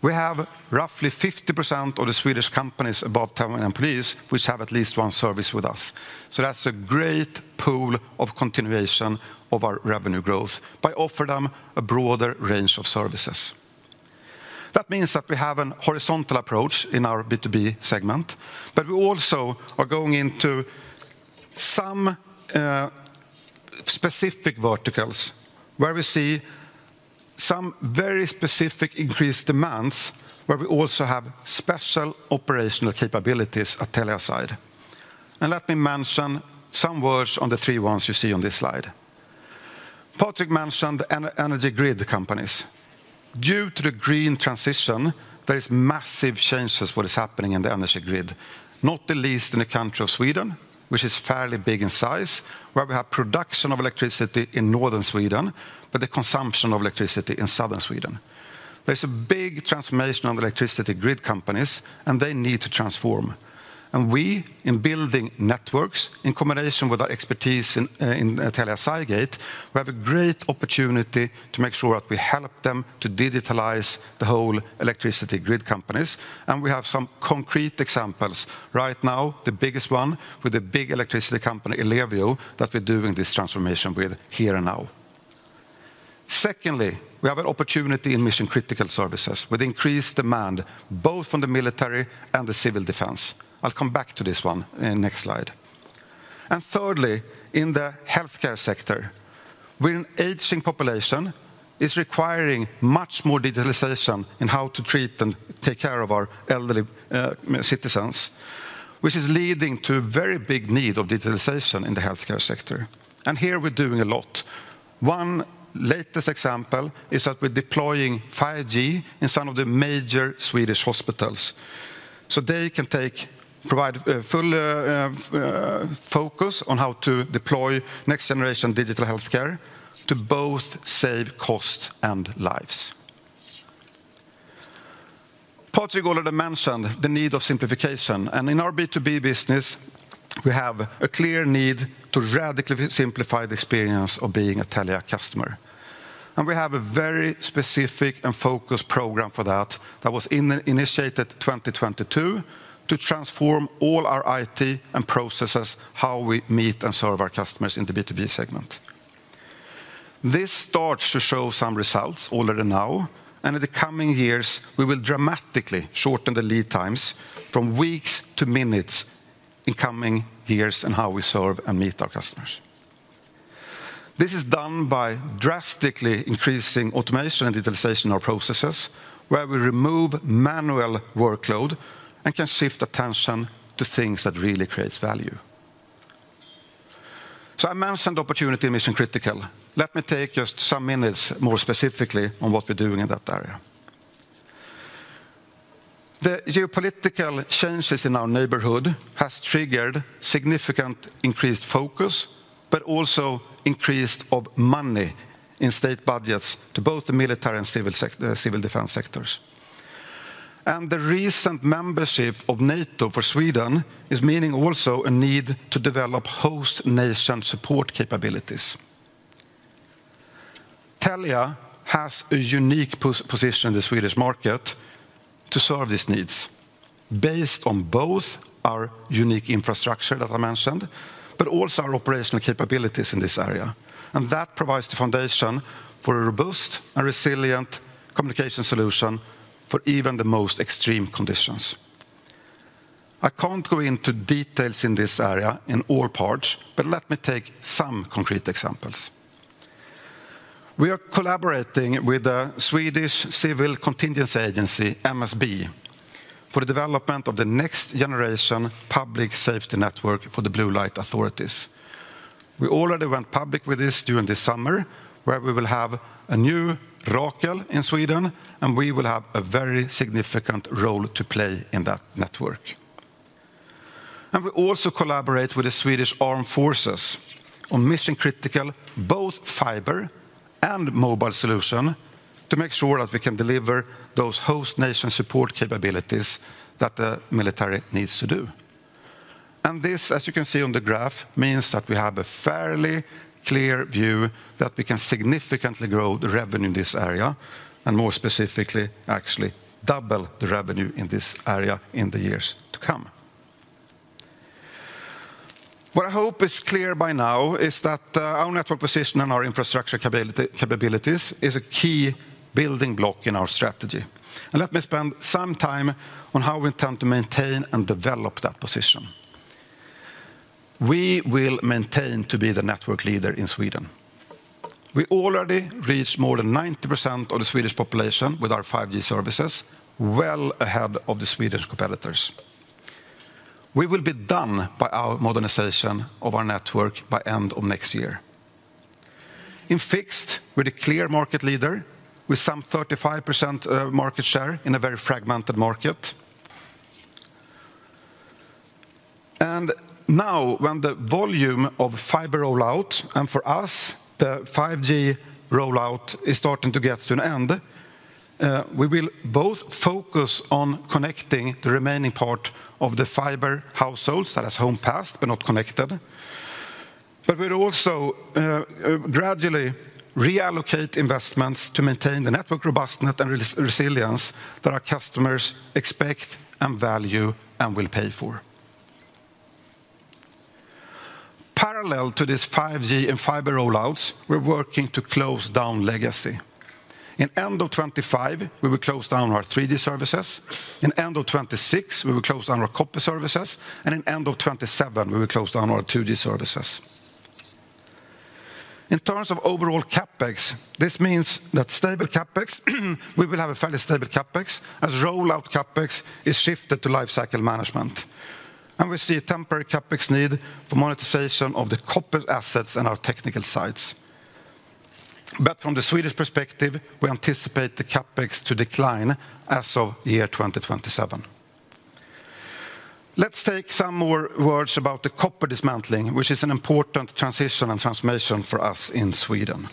We have roughly 50% of the Swedish companies above 10 employees, which have at least one service with us. So that's a great pool of continuation of our revenue growth by offer them a broader range of services. That means that we have an horizontal approach in our B2B segment, but we also are going into some specific verticals where we see some very specific increased demands, where we also have special operational capabilities at Telia side. And let me mention some words on the three ones you see on this slide. Patrik mentioned energy grid companies. Due to the green transition, there is massive changes what is happening in the energy grid, not the least in the country of Sweden, which is fairly big in size, where we have production of electricity in northern Sweden, but the consumption of electricity in southern Sweden. There's a big transformation on the electricity grid companies, and they need to transform. And we, in building networks, in combination with our expertise in, in Telia Cygate, we have a great opportunity to make sure that we help them to digitalize the whole electricity grid companies. And we have some concrete examples. Right now, the biggest one, with the big electricity company, Ellevio, that we're doing this transformation with here and now. Secondly, we have an opportunity in mission-critical services with increased demand, both from the military and the civil defense. I'll come back to this one in next slide. And thirdly, in the healthcare sector, with an aging population, is requiring much more digitalization in how to treat and take care of our elderly, citizens, which is leading to a very big need of digitalization in the healthcare sector, and here we're doing a lot. One latest example is that we're deploying 5G in some of the major Swedish hospitals, so they can provide full focus on how to deploy next generation digital healthcare to both save costs and lives. Patrik already mentioned the need of simplification, and in our B2B business, we have a clear need to radically simplify the experience of being a Telia customer. And we have a very specific and focused program for that, that was initiated 2022, to transform all our IT and processes, how we meet and serve our customers in the B2B segment. This starts to show some results already now, and in the coming years, we will dramatically shorten the lead times from weeks to minutes in coming years, in how we serve and meet our customers. This is done by drastically increasing automation and digitalization of processes, where we remove manual workload and can shift attention to things that really creates value. So I mentioned opportunity in mission-critical. Let me take just some minutes more specifically on what we're doing in that area. The geopolitical changes in our neighborhood has triggered significant increased focus, but also increased of money in state budgets to both the military and civil defense sectors. And the recent membership of NATO for Sweden is meaning also a need to develop host nation support capabilities. Telia has a unique position in the Swedish market to serve these needs, based on both our unique infrastructure that I mentioned, but also our operational capabilities in this area. And that provides the foundation for a robust and resilient communication solution for even the most extreme conditions. I can't go into details in this area in all parts, but let me take some concrete examples. We are collaborating with the Swedish Civil Contingencies Agency, MSB, for the development of the next generation public safety network for the blue light authorities. We already went public with this during this summer, where we will have a new Rakel in Sweden, and we will have a very significant role to play in that network, and we also collaborate with the Swedish Armed Forces on mission-critical, both fiber and mobile solution, to make sure that we can deliver those host nation support capabilities that the military needs to do, and this, as you can see on the graph, means that we have a fairly clear view that we can significantly grow the revenue in this area, and more specifically, actually double the revenue in this area in the years to come. What I hope is clear by now is that, our network position and our infrastructure capabilities is a key building block in our strategy. Let me spend some time on how we intend to maintain and develop that position. We will maintain to be the network leader in Sweden. We already reached more than 90% of the Swedish population with our 5G services, well ahead of the Swedish competitors. We will be done by our modernization of our network by end of next year. In fixed, we're the clear market leader, with some 35% market share in a very fragmented market. Now, when the volume of fiber rollout, and for us, the 5G rollout is starting to get to an end, we will both focus on connecting the remaining part of the fiber households that has home passed, but not connected. But we'll also gradually reallocate investments to maintain the network robustness and resilience that our customers expect and value and will pay for. Parallel to this 5G and fiber rollouts, we're working to close down legacy. In end of 2025, we will close down our 3G services. In end of 2026, we will close down our copper services, and in end of 2027, we will close down our 2G services. In terms of overall CapEx, this means that stable CapEx, we will have a fairly stable CapEx, as rollout CapEx is shifted to life cycle management. We see temporary CapEx need for monetization of the copper assets in our technical sites. From the Swedish perspective, we anticipate the CapEx to decline as of year 2027. Let's take some more words about the copper dismantling, which is an important transition and transformation for us in Sweden.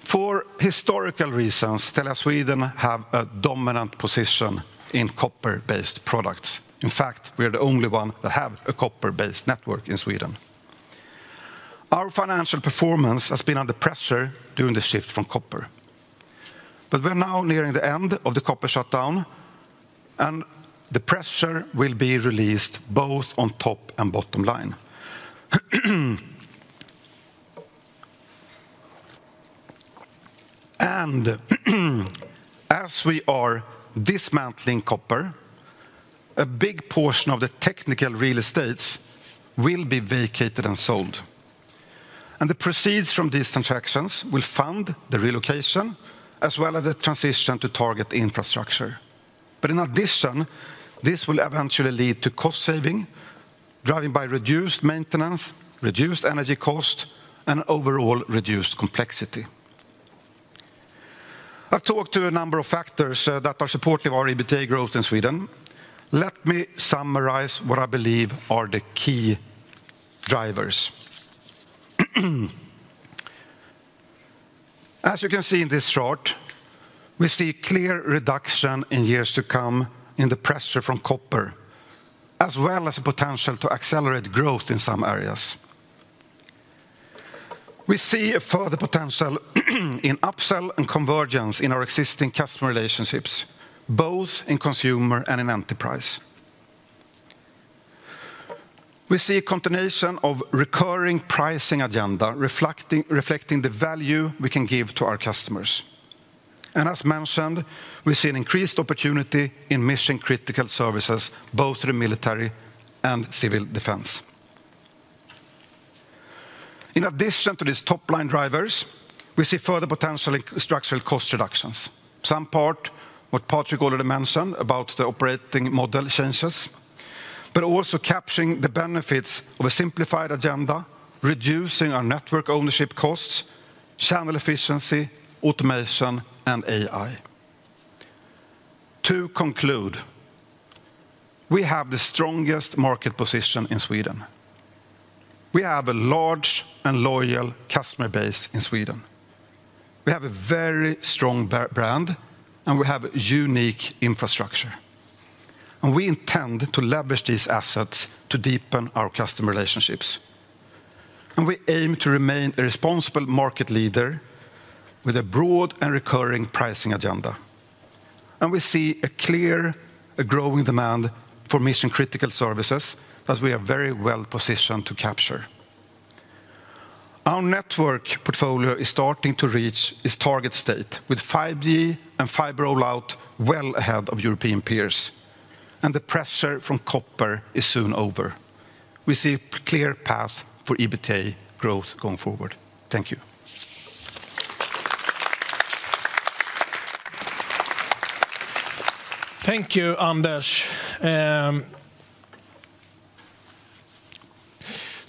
For historical reasons, Telia Sweden have a dominant position in copper-based products. In fact, we are the only one that have a copper-based network in Sweden. Our financial performance has been under pressure during the shift from copper... but we're now nearing the end of the copper shutdown, and the pressure will be released both on top and bottom line, and as we are dismantling copper, a big portion of the technical real estates will be vacated and sold, and the proceeds from these transactions will fund the relocation, as well as the transition to target infrastructure, but in addition, this will eventually lead to cost saving, driving by reduced maintenance, reduced energy cost, and overall reduced complexity. I talked to a number of factors, that are supporting our EBITDA growth in Sweden. Let me summarize what I believe are the key drivers. As you can see in this chart, we see clear reduction in years to come in the pressure from copper, as well as the potential to accelerate growth in some areas. We see a further potential in upsell and convergence in our existing customer relationships, both in consumer and in enterprise. We see a continuation of recurring pricing agenda, reflecting the value we can give to our customers. As mentioned, we see an increased opportunity in mission-critical services, both to the military and civil defense. In addition to these top-line drivers, we see further potential in structural cost reductions. Some part, what Patrick already mentioned about the operating model changes, but also capturing the benefits of a simplified agenda, reducing our network ownership costs, channel efficiency, automation, and AI. To conclude, we have the strongest market position in Sweden. We have a large and loyal customer base in Sweden. We have a very strong brand, and we have a unique infrastructure, and we intend to leverage these assets to deepen our customer relationships, and we aim to remain a responsible market leader with a broad and recurring pricing agenda, and we see a clear, growing demand for mission-critical services that we are very well positioned to capture. Our network portfolio is starting to reach its target state with 5G and fiber rollout well ahead of European peers, and the pressure from copper is soon over. We see a clear path for EBITDA growth going forward. Thank you. Thank you, Anders.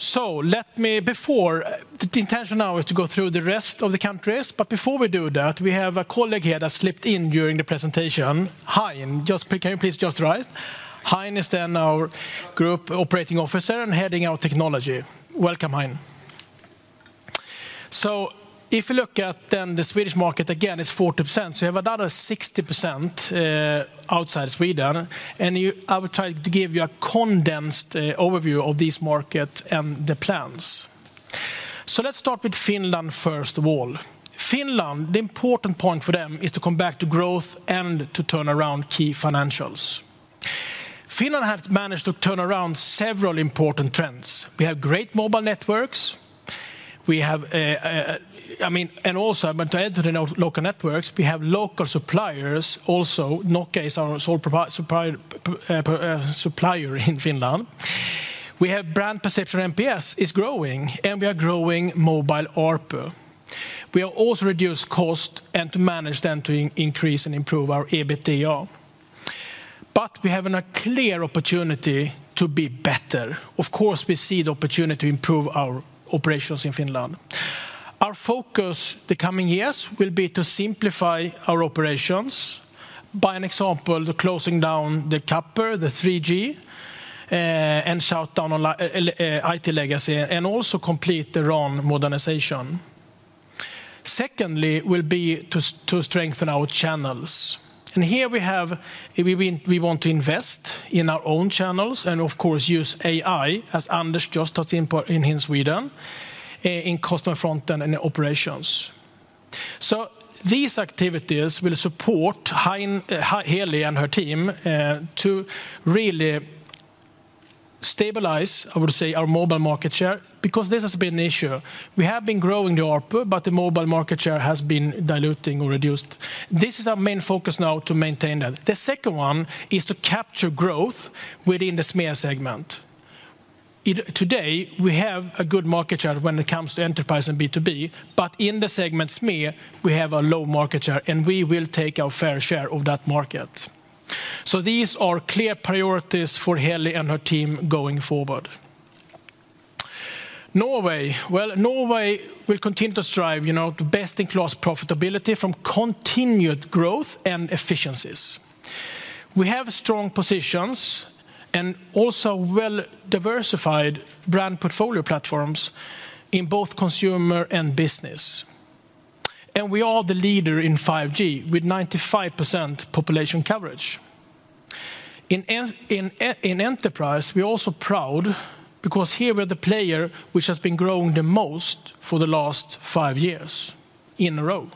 So let me before, the intention now is to go through the rest of the countries, but before we do that, we have a colleague here that slipped in during the presentation. Hein, just, can you please just rise? Hein is then our Group Operating Officer and heading our technology. Welcome, Hein. So if you look at then the Swedish market, again, it's 40%. So you have another 60% outside Sweden, and I will try to give you a condensed overview of this market and the plans. So let's start with Finland first of all. Finland, the important point for them is to come back to growth and to turn around key financials. Finland has managed to turn around several important trends. We have great mobile networks. We have, I mean, and also, but to enter the local networks, we have local suppliers also. Nokia is our sole supplier in Finland. We have brand perception NPS is growing, and we are growing mobile ARPU. We have also reduced cost and to manage them to increase and improve our EBITDA. We have a clear opportunity to be better. Of course, we see the opportunity to improve our operations in Finland. Our focus the coming years will be to simplify our operations, by an example, the closing down the copper, the 3G, and shut down on IT legacy, and also complete the RAN modernization. Secondly, will be to strengthen our channels. And here we have, we want to invest in our own channels and of course, use AI, as Anders just talked in, in Sweden, in customer front and in operations. So these activities will support Hein, Heli and her team, to really stabilize, I would say, our mobile market share, because this has been an issue. We have been growing the ARPU, but the mobile market share has been diluting or reduced. This is our main focus now, to maintain that. The second one is to capture growth within the SMEA segment. Today, we have a good market share when it comes to enterprise and B2B, but in the segment SME, we have a low market share, and we will take our fair share of that market. So these are clear priorities for Heli and her team going forward. Norway, well, Norway will continue to strive, you know, to best-in-class profitability from continued growth and efficiencies. We have strong positions and also well-diversified brand portfolio platforms in both consumer and business. We are the leader in 5G with 95% population coverage. In enterprise, we're also proud because here we're the player which has been growing the most for the last five years in a row.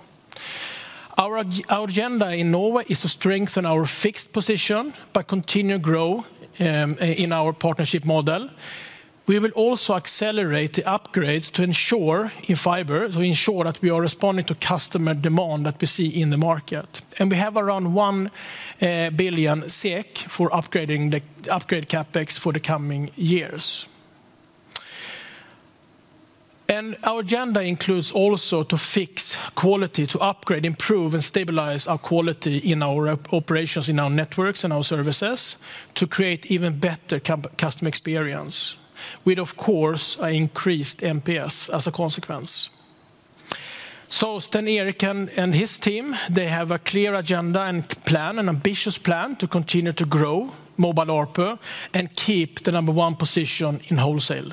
Our agenda in Norway is to strengthen our fixed position, but continue to grow in our partnership model. We will also accelerate the upgrades to ensure in fiber that we are responding to customer demand that we see in the market. We have around 1 billion SEK for upgrading CapEx for the coming years. Our agenda includes also to fix quality, to upgrade, improve, and stabilize our quality in our operations, in our networks, and our services to create even better customer experience, with, of course, an increased NPS as a consequence. Stein-Erik and his team, they have a clear agenda and plan, an ambitious plan, to continue to grow mobile ARPU and keep the number one position in wholesale,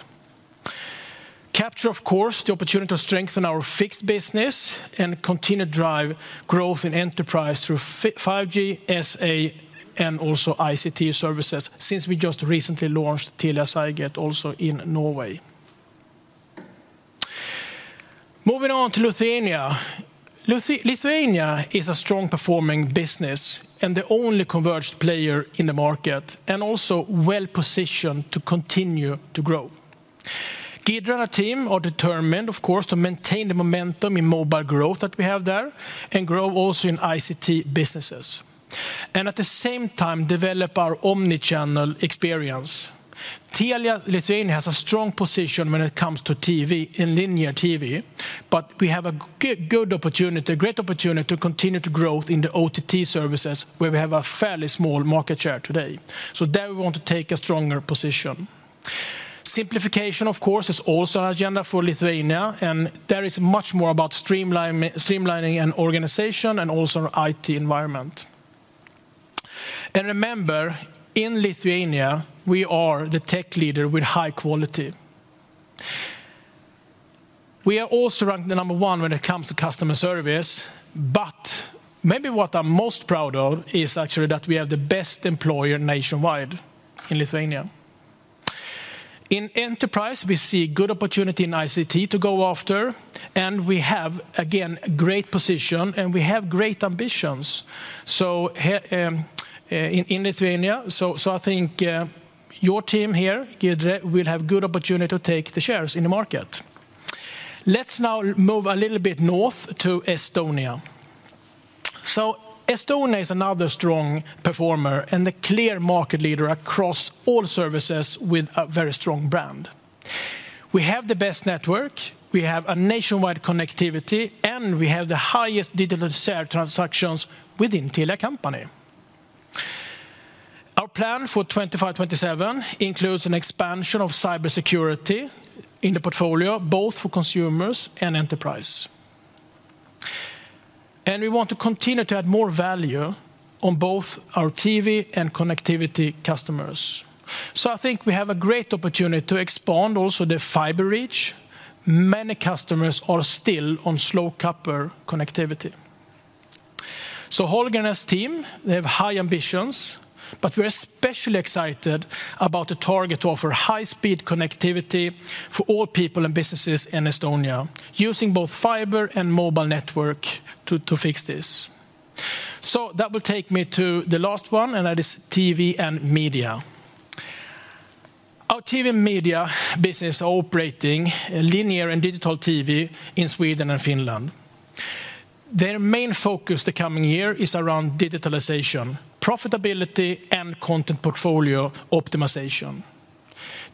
capture, of course, the opportunity to strengthen our fixed business and continue to drive growth in enterprise through 5G SA, and also ICT services, since we just recently launched Telia Cygate also in Norway. Moving on to Lithuania. Lithuania is a strong performing business, and the only converged player in the market, and also well-positioned to continue to grow. Giedrė and her team are determined, of course, to maintain the momentum in mobile growth that we have there and grow also in ICT businesses, and at the same time, develop our omni-channel experience. Telia Lithuania has a strong position when it comes to TV, in linear TV, but we have a good opportunity, a great opportunity to continue to grow in the OTT services, where we have a fairly small market share today. So there, we want to take a stronger position. Simplification, of course, is also an agenda for Lithuania, and there is much more about streamlining an organization and also our IT environment. And remember, in Lithuania, we are the tech leader with high quality. We are also ranked number one when it comes to customer service, but maybe what I'm most proud of is actually that we are the best employer nationwide in Lithuania. In enterprise, we see good opportunity in ICT to go after, and we have, again, great position, and we have great ambitions. In Lithuania, I think your team here, Giedrė, will have good opportunity to take the shares in the market. Let's now move a little bit north to Estonia. Estonia is another strong performer and the clear market leader across all services with a very strong brand. We have the best network, we have a nationwide connectivity, and we have the highest digital share transactions within Telia Company. Our plan for 2025-2027 includes an expansion of cybersecurity in the portfolio, both for consumers and enterprise. And we want to continue to add more value on both our TV and connectivity customers. So I think we have a great opportunity to expand also the fiber reach. Many customers are still on slow copper connectivity. So Holger and his team, they have high ambitions, but we're especially excited about the target to offer high-speed connectivity for all people and businesses in Estonia, using both fiber and mobile network to fix this. So that will take me to the last one, and that is TV and media. Our TV and media business are operating linear and digital TV in Sweden and Finland. Their main focus the coming year is around digitalization, profitability, and content portfolio optimization.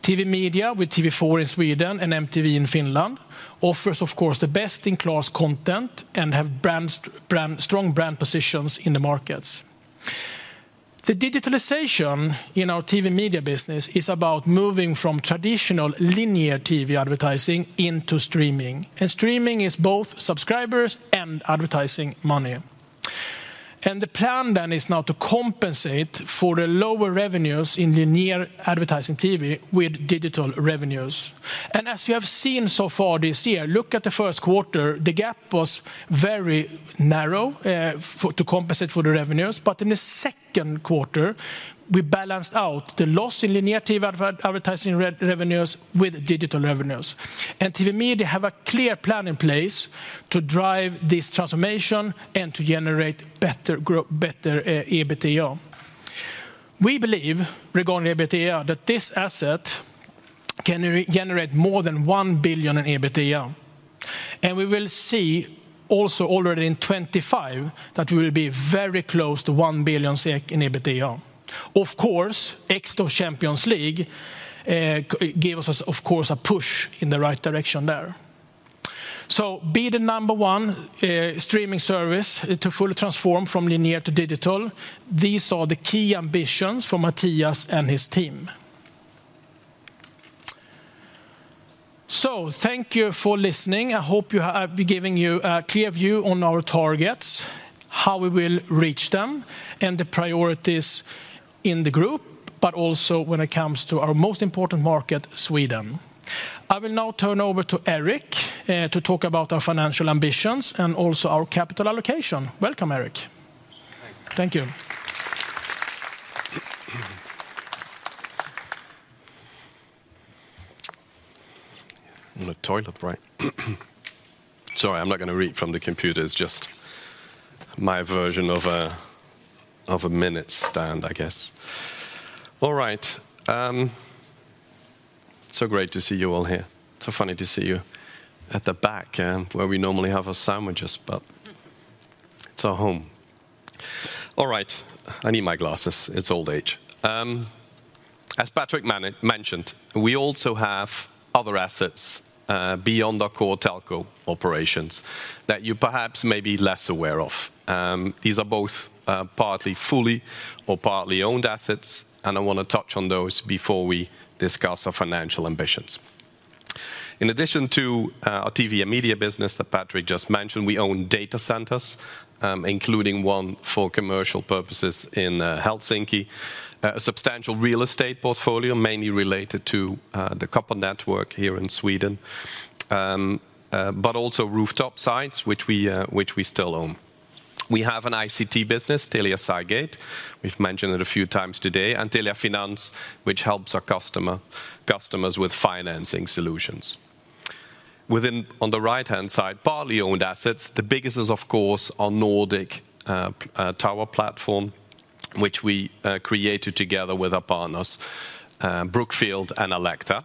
TV and media, with TV4 in Sweden and MTV in Finland, offers, of course, the best-in-class content and have brands, strong brand positions in the markets. The digitalization in our TV media business is about moving from traditional linear TV advertising into streaming, and streaming is both subscribers and advertising money. The plan then is now to compensate for the lower revenues in linear advertising TV with digital revenues. As you have seen so far this year, look at the Q1, the gap was very narrow to compensate for the revenues, but in the Q2, we balanced out the loss in linear TV advertising revenues with digital revenues. TV media have a clear plan in place to drive this transformation and to generate better EBITDA. We believe, regarding EBITDA, that this asset can generate more than 1 billion in EBITDA, and we will see also already in 2025, that we will be very close to 1 billion SEK in EBITDA. Of course, UEFA Champions League gave us, of course, a push in the right direction there. So be the number one streaming service to fully transform from linear to digital. These are the key ambitions for Mathias and his team. So thank you for listening. I hope you have. I've been giving you a clear view on our targets, how we will reach them, and the priorities in the group, but also when it comes to our most important market, Sweden. I will now turn over to Eric, to talk about our financial ambitions and also our capital allocation. Welcome, Eric. Thank you. On a toilet, right? Sorry, I'm not gonna read from the computer. It's just my version of a mic stand, I guess. All right. It's so great to see you all here, so funny to see you at the back, where we normally have our sandwiches, but it's our home. All right. I need my glasses. It's old age. As Patrik mentioned, we also have other assets beyond our core telco operations that you perhaps may be less aware of. These are both partly, fully or partly owned assets, and I wanna touch on those before we discuss our financial ambitions. In addition to our TV and media business that Patrik just mentioned, we own data centers, including one for commercial purposes in Helsinki. A substantial real estate portfolio, mainly related to the copper network here in Sweden. But also rooftop sites, which we still own. We have an ICT business, Telia Cygate. We've mentioned it a few times today, and Telia Finance, which helps our customers with financing solutions. Within, on the right-hand side, partly owned assets, the biggest is, of course, our Nordic tower platform, which we created together with our partners Brookfield and Alecta.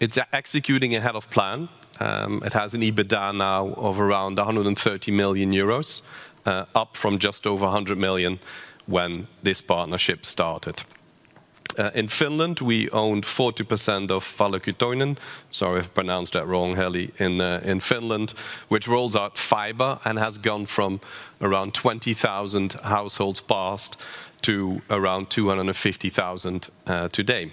It's executing ahead of plan. It has an EBITDA now of around 130 million euros, up from just over 100 million when this partnership started. In Finland, we own 40% of Valokuitunen, sorry if I pronounced that wrong, Heli, in Finland, which rolls out fiber and has gone from around 20,000 households passed to around 250,000 today.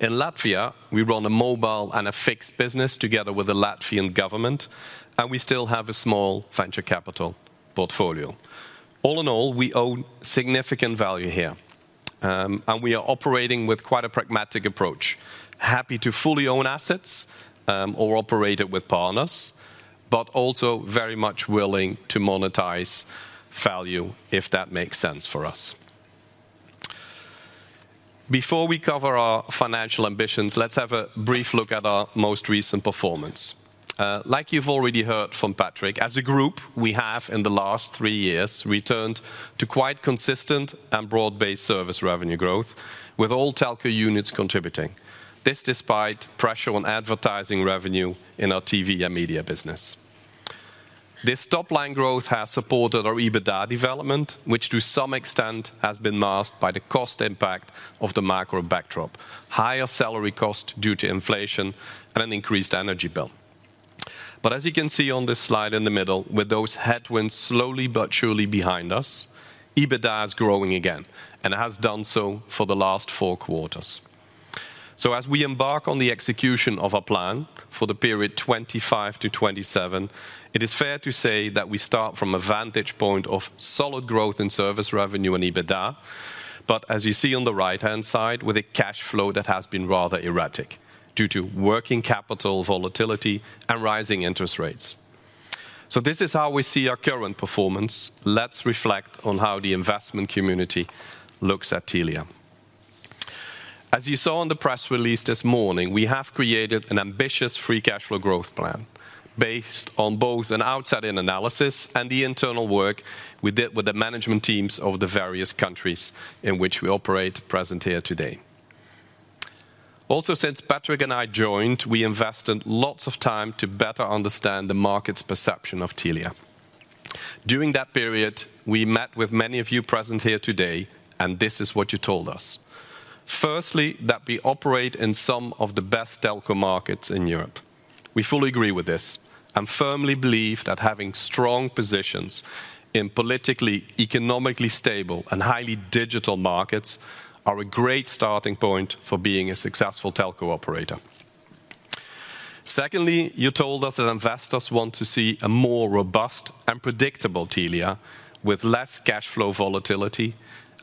In Latvia, we run a mobile and a fixed business together with the Latvian government, and we still have a small venture capital portfolio. All in all, we own significant value here, and we are operating with quite a pragmatic approach. Happy to fully own assets, or operate it with partners, but also very much willing to monetize value if that makes sense for us. Before we cover our financial ambitions, let's have a brief look at our most recent performance. Like you've already heard from Patrik, as a group, we have, in the last three years, returned to quite consistent and broad-based service revenue growth, with all telco units contributing. This, despite pressure on advertising revenue in our TV and media business. This top line growth has supported our EBITDA development, which to some extent has been masked by the cost impact of the macro backdrop, higher salary cost due to inflation, and an increased energy bill, but as you can see on this slide in the middle, with those headwinds slowly but surely behind us, EBITDA is growing again and has done so for the last Q4. As we embark on the execution of our plan for the period 2025-2027, it is fair to say that we start from a vantage point of solid growth in service revenue and EBITDA, but as you see on the right-hand side, with a cash flow that has been rather erratic due to working capital volatility and rising interest rates. This is how we see our current performance. Let's reflect on how the investment community looks at Telia. As you saw on the press release this morning, we have created an ambitious free cash flow growth plan based on both an outside-in analysis and the internal work we did with the management teams of the various countries in which we operate, present here today. Also, since Patrik and I joined, we invested lots of time to better understand the market's perception of Telia. During that period, we met with many of you present here today, and this is what you told us: firstly, that we operate in some of the best telco markets in Europe. We fully agree with this and firmly believe that having strong positions in politically, economically stable, and highly digital markets are a great starting point for being a successful telco operator. Secondly, you told us that investors want to see a more robust and predictable Telia with less cash flow volatility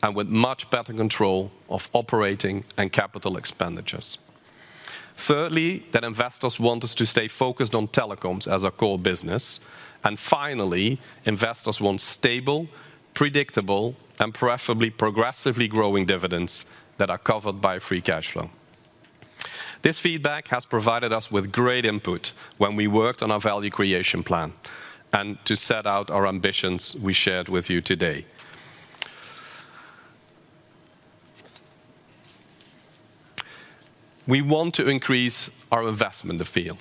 and with much better control of operating and capital expenditures. Thirdly, that investors want us to stay focused on telecoms as our core business. And finally, investors want stable, predictable, and preferably progressively growing dividends that are covered by free cash flow. This feedback has provided us with great input when we worked on our value creation plan and to set out our ambitions we shared with you today. We want to increase our investment appeal,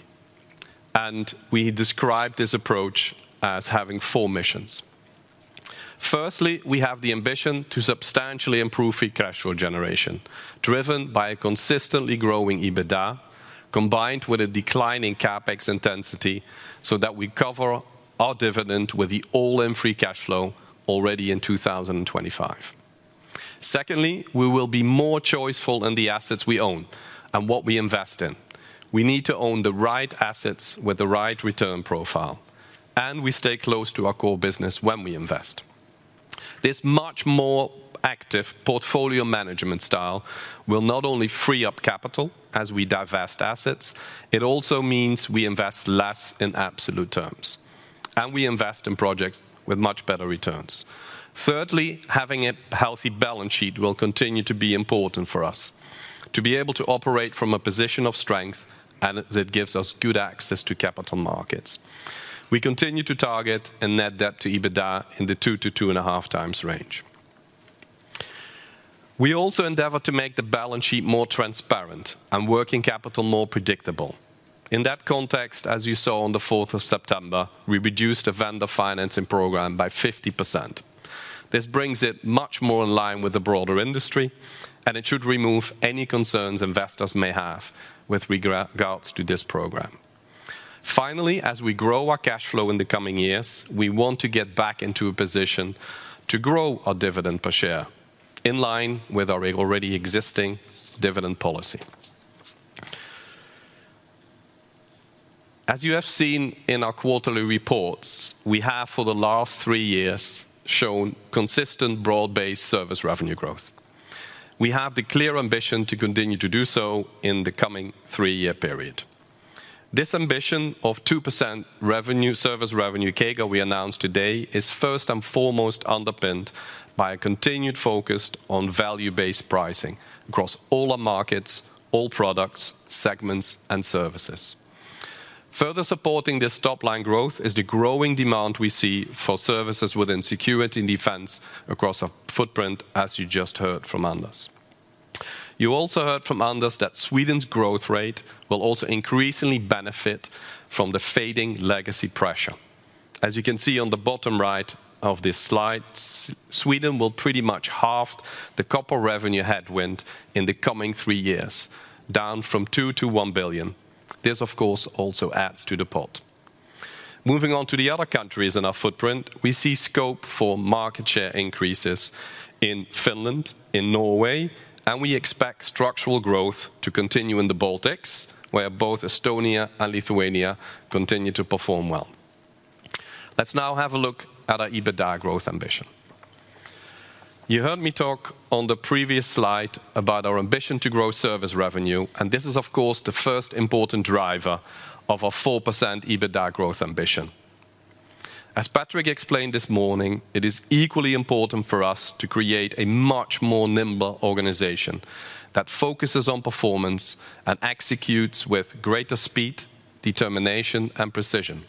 and we describe this approach as having four missions. Firstly, we have the ambition to substantially improve free cash flow generation, driven by a consistently growing EBITDA, combined with a decline in CapEx intensity, so that we cover our dividend with the all-in free cash flow already in two thousand and twenty-five. Secondly, we will be more choiceful in the assets we own and what we invest in. We need to own the right assets with the right return profile, and we stay close to our core business when we invest. This much more active portfolio management style will not only free up capital as we divest assets, it also means we invest less in absolute terms, and we invest in projects with much better returns. Thirdly, having a healthy balance sheet will continue to be important for us. To be able to operate from a position of strength, and it gives us good access to capital markets. We continue to target a net debt to EBITDA in the two to two and a half times range. We also endeavor to make the balance sheet more transparent and working capital more predictable. In that context, as you saw on the fourth of September, we reduced the vendor financing program by 50%. This brings it much more in line with the broader industry, and it should remove any concerns investors may have with regards to this program. Finally, as we grow our cash flow in the coming years, we want to get back into a position to grow our dividend per share, in line with our already existing dividend policy. As you have seen in our quarterly reports, we have, for the last three years, shown consistent broad-based service revenue growth. We have the clear ambition to continue to do so in the coming three-year period. This ambition of 2% revenue, service revenue CAGR we announced today, is first and foremost underpinned by a continued focus on value-based pricing across all our markets, all products, segments, and services. Further supporting this top line growth is the growing demand we see for services within security and defense across our footprint, as you just heard from Anders. You also heard from Anders that Sweden's growth rate will also increasingly benefit from the fading legacy pressure. As you can see on the bottom right of this slide, Sweden will pretty much halve the copper revenue headwind in the coming three years, down from two to one billion. This, of course, also adds to the pot. Moving on to the other countries in our footprint, we see scope for market share increases in Finland, in Norway, and we expect structural growth to continue in the Baltics, where both Estonia and Lithuania continue to perform well. Let's now have a look at our EBITDA growth ambition. You heard me talk on the previous slide about our ambition to grow service revenue, and this is, of course, the first important driver of our 4% EBITDA growth ambition. As Patrik explained this morning, it is equally important for us to create a much more nimble organization that focuses on performance and executes with greater speed, determination, and precision.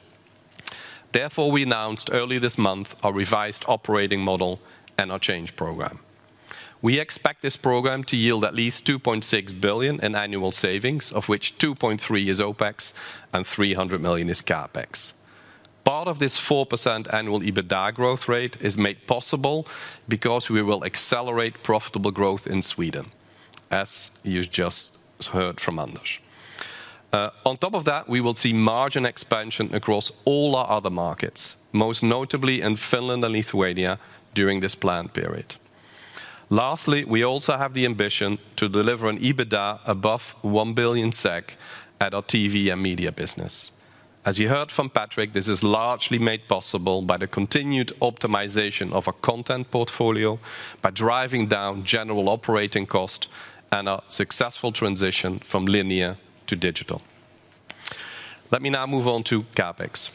Therefore, we announced early this month our revised operating model and our change program. We expect this program to yield at least 2.6 billion in annual savings, of which 2.3 is OpEx and 300 million is CapEx. Part of this 4% annual EBITDA growth rate is made possible because we will accelerate profitable growth in Sweden, as you just heard from Anders. On top of that, we will see margin expansion across all our other markets, most notably in Finland and Lithuania, during this planned period. Lastly, we also have the ambition to deliver an EBITDA above 1 billion SEK at our TV and media business. As you heard from Patrick, this is largely made possible by the continued optimization of our content portfolio, by driving down general operating cost, and our successful transition from linear to digital. Let me now move on to CapEx.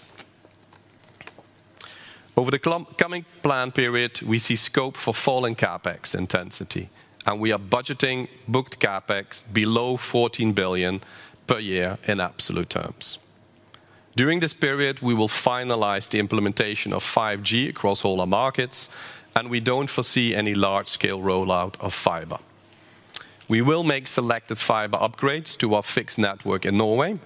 Over the coming plan period, we see scope for falling CapEx intensity, and we are budgeting booked CapEx below 14 billion SEK per year in absolute terms. During this period, we will finalize the implementation of 5G across all our markets, and we don't foresee any large-scale rollout of fiber. We will make selected fiber upgrades to our fixed network in Norway,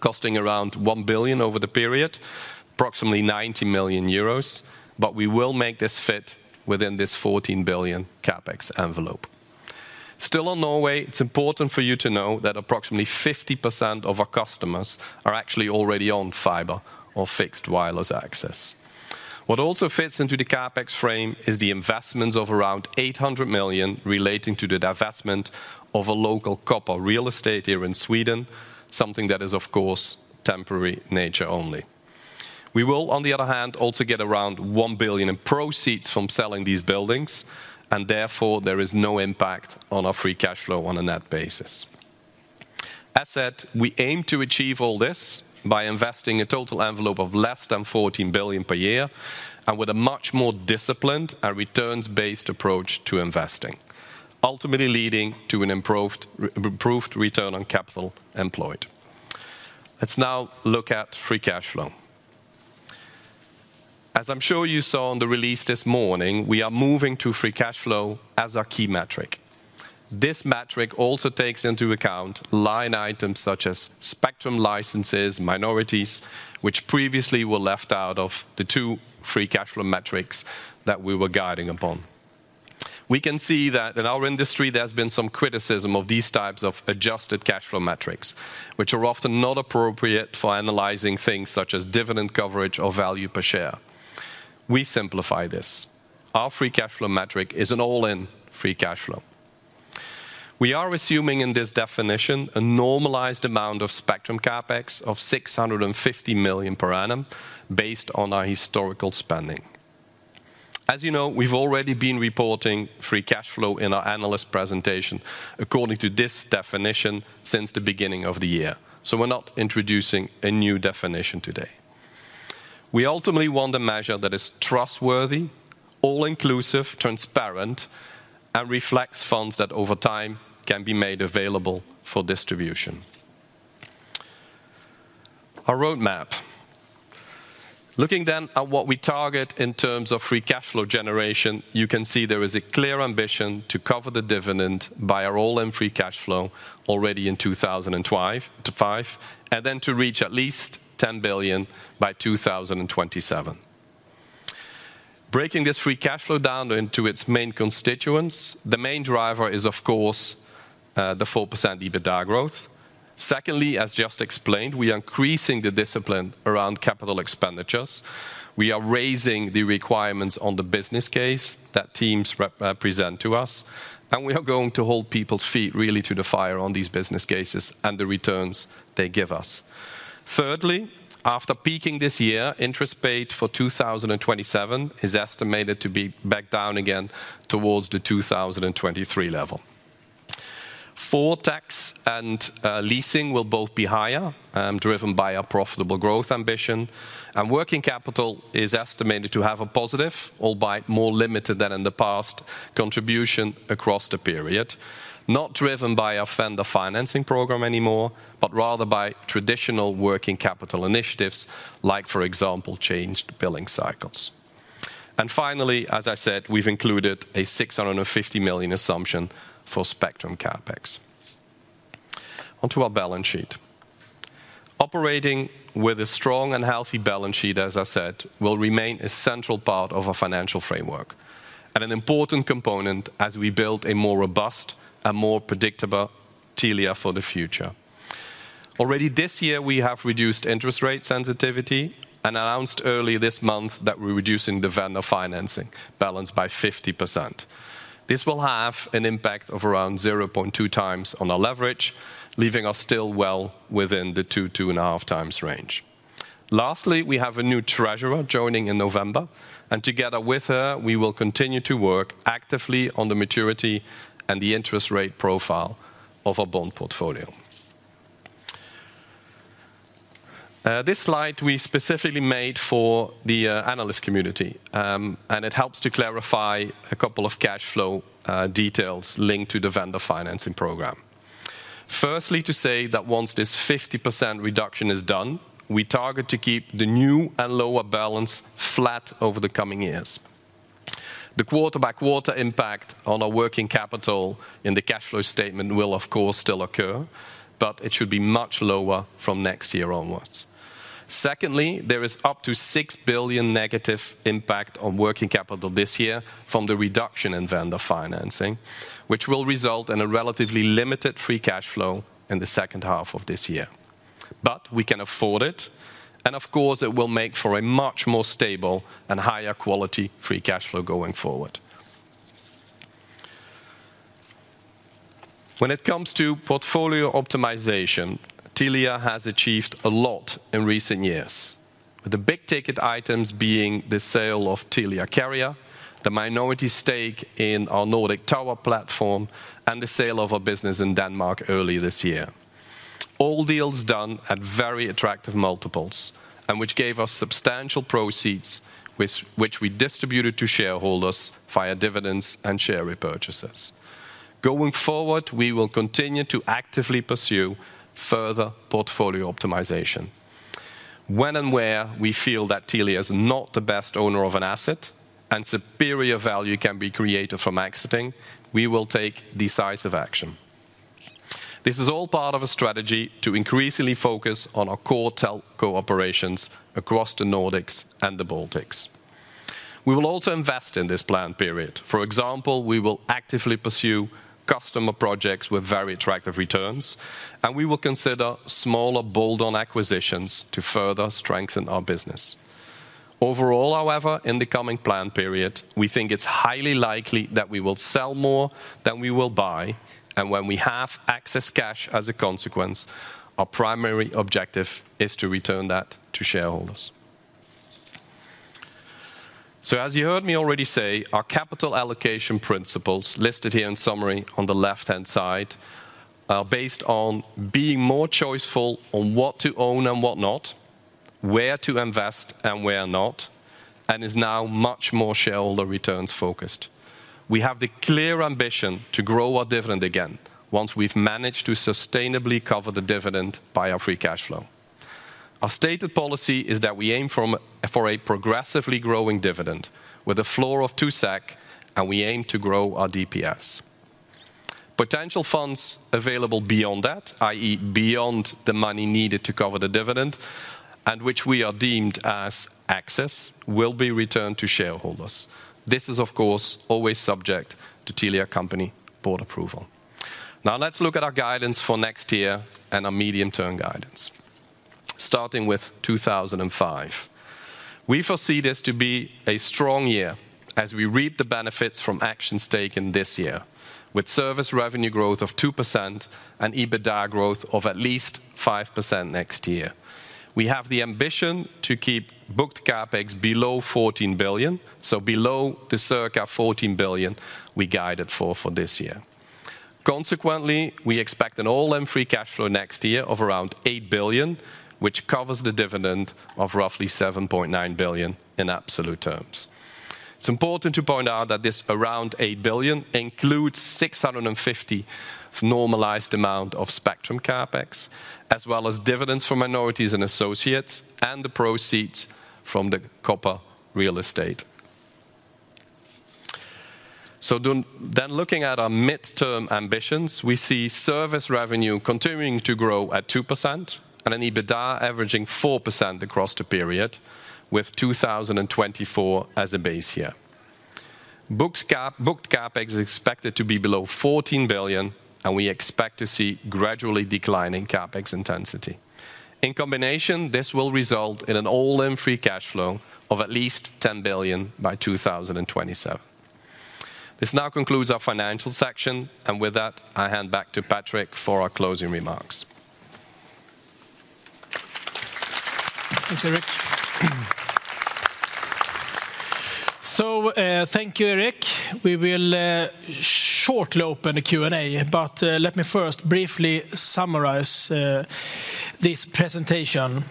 costing around 1 billion SEK over the period, approximately 90 million euros, but we will make this fit within this 14 billion SEK CapEx envelope. Still on Norway, it's important for you to know that approximately 50% of our customers are actually already on fiber or fixed wireless access. What also fits into the CapEx frame is the investments of around 800 million relating to the divestment of a local copper real estate here in Sweden, something that is, of course, temporary nature only. We will, on the other hand, also get around 1 billion in proceeds from selling these buildings, and therefore, there is no impact on our free cash flow on a net basis. As said, we aim to achieve all this by investing a total envelope of less than 14 billion per year, and with a much more disciplined and returns-based approach to investing, ultimately leading to an improved, improved return on capital employed. Let's now look at free cash flow. As I'm sure you saw on the release this morning, we are moving to free cash flow as our key metric. This metric also takes into account line items such as spectrum licenses, minorities, which previously were left out of the two free cash flow metrics that we were guiding upon. We can see that in our industry, there's been some criticism of these types of adjusted cash flow metrics, which are often not appropriate for analyzing things such as dividend coverage or value per share. We simplify this. Our free cash flow metric is an all-in free cash flow. We are assuming in this definition, a normalized amount of spectrum CapEx of 650 million per annum based on our historical spending. As you know, we've already been reporting free cash flow in our analyst presentation according to this definition since the beginning of the year, so we're not introducing a new definition today. We ultimately want a measure that is trustworthy, all-inclusive, transparent, and reflects funds that over time can be made available for distribution. Our roadmap. Looking then at what we target in terms of free cash flow generation, you can see there is a clear ambition to cover the dividend by our all-in free cash flow already in 2025, and then to reach at least 10 billion by 2027. Breaking this free cash flow down into its main constituents, the main driver is, of course, the 4% EBITDA growth. Secondly, as just explained, we are increasing the discipline around capital expenditures. We are raising the requirements on the business case that teams present to us, and we are going to hold people's feet really to the fire on these business cases and the returns they give us. Thirdly, after peaking this year, interest paid for 2027 is estimated to be back down again towards the 2023 level. Four, tax and leasing will both be higher, driven by our profitable growth ambition, and working capital is estimated to have a positive, albeit more limited than in the past, contribution across the period, not driven by our vendor financing program anymore, but rather by traditional working capital initiatives, like, for example, changed billing cycles. And finally, as I said, we've included a 650 million assumption for spectrum CapEx. Onto our balance sheet. Operating with a strong and healthy balance sheet, as I said, will remain a central part of our financial framework, and an important component as we build a more robust and more predictable Telia for the future. Already this year, we have reduced interest rate sensitivity, and announced early this month that we're reducing the vendor financing balance by 50%. This will have an impact of around 0.2 times on our leverage, leaving us still well within the 2-2.5 times range. Lastly, we have a new treasurer joining in November, and together with her, we will continue to work actively on the maturity and the interest rate profile of our bond portfolio. This slide we specifically made for the analyst community, and it helps to clarify a couple of cash flow details linked to the vendor financing program. Firstly, to say that once this 50% reduction is done, we target to keep the new and lower balance flat over the coming years. The quarter-by-quarter impact on our working capital in the cash flow statement will, of course, still occur, but it should be much lower from next year onwards. Secondly, there is up to 6 billion negative impact on working capital this year from the reduction in vendor financing, which will result in a relatively limited free cash flow in the second half of this year. But we can afford it, and of course, it will make for a much more stable and higher quality free cash flow going forward. When it comes to portfolio optimization, Telia has achieved a lot in recent years, with the big-ticket items being the sale of Telia Carrier, the minority stake in our Nordic Tower platform, and the sale of our business in Denmark early this year. All deals done at very attractive multiples, and which gave us substantial proceeds, which we distributed to shareholders via dividends and share repurchases. Going forward, we will continue to actively pursue further portfolio optimization. When and where we feel that Telia is not the best owner of an asset, and superior value can be created from exiting, we will take decisive action. This is all part of a strategy to increasingly focus on our core telco operations across the Nordics and the Baltics. We will also invest in this planned period. For example, we will actively pursue customer projects with very attractive returns, and we will consider smaller build-on acquisitions to further strengthen our business. Overall, however, in the coming plan period, we think it's highly likely that we will sell more than we will buy, and when we have excess cash as a consequence, our primary objective is to return that to shareholders. So as you heard me already say, our capital allocation principles, listed here in summary on the left-hand side, are based on being more choiceful on what to own and what not, where to invest and where not, and is now much more shareholder returns-focused. We have the clear ambition to grow our dividend again once we've managed to sustainably cover the dividend by our free cash flow. Our stated policy is that we aim for a progressively growing dividend with a floor of 2 SEK, and we aim to grow our DPS. Potential funds available beyond that, i.e. Beyond the money needed to cover the dividend and which we are deemed as excess, will be returned to shareholders. This is, of course, always subject to Telia Company board approval. Now let's look at our guidance for next year and our medium-term guidance, starting with 2025. We foresee this to be a strong year as we reap the benefits from actions taken this year, with service revenue growth of 2% and EBITDA growth of at least 5% next year. We have the ambition to keep booked CapEx below 14 billion, so below the circa 14 billion we guided for for this year. Consequently, we expect an all-in free cash flow next year of around 8 billion, which covers the dividend of roughly 7.9 billion in absolute terms. It's important to point out that this around 8 billion includes 650 normalized amount of spectrum CapEx, as well as dividends from minorities and associates, and the proceeds from the Kopa real estate. So then looking at our midterm ambitions, we see service revenue continuing to grow at 2% and an EBITDA averaging 4% across the period, with 2024 as a base year. Booked CapEx is expected to be below 14 billion, and we expect to see gradually declining CapEx intensity. In combination, this will result in an all-in free cash flow of at least 10 billion by 2027. This now concludes our financial section, and with that, I hand back to Patrik for our closing remarks. Thanks, Eric. So, thank you, Eric. We will shortly open the Q&A, but let me first briefly summarize this presentation.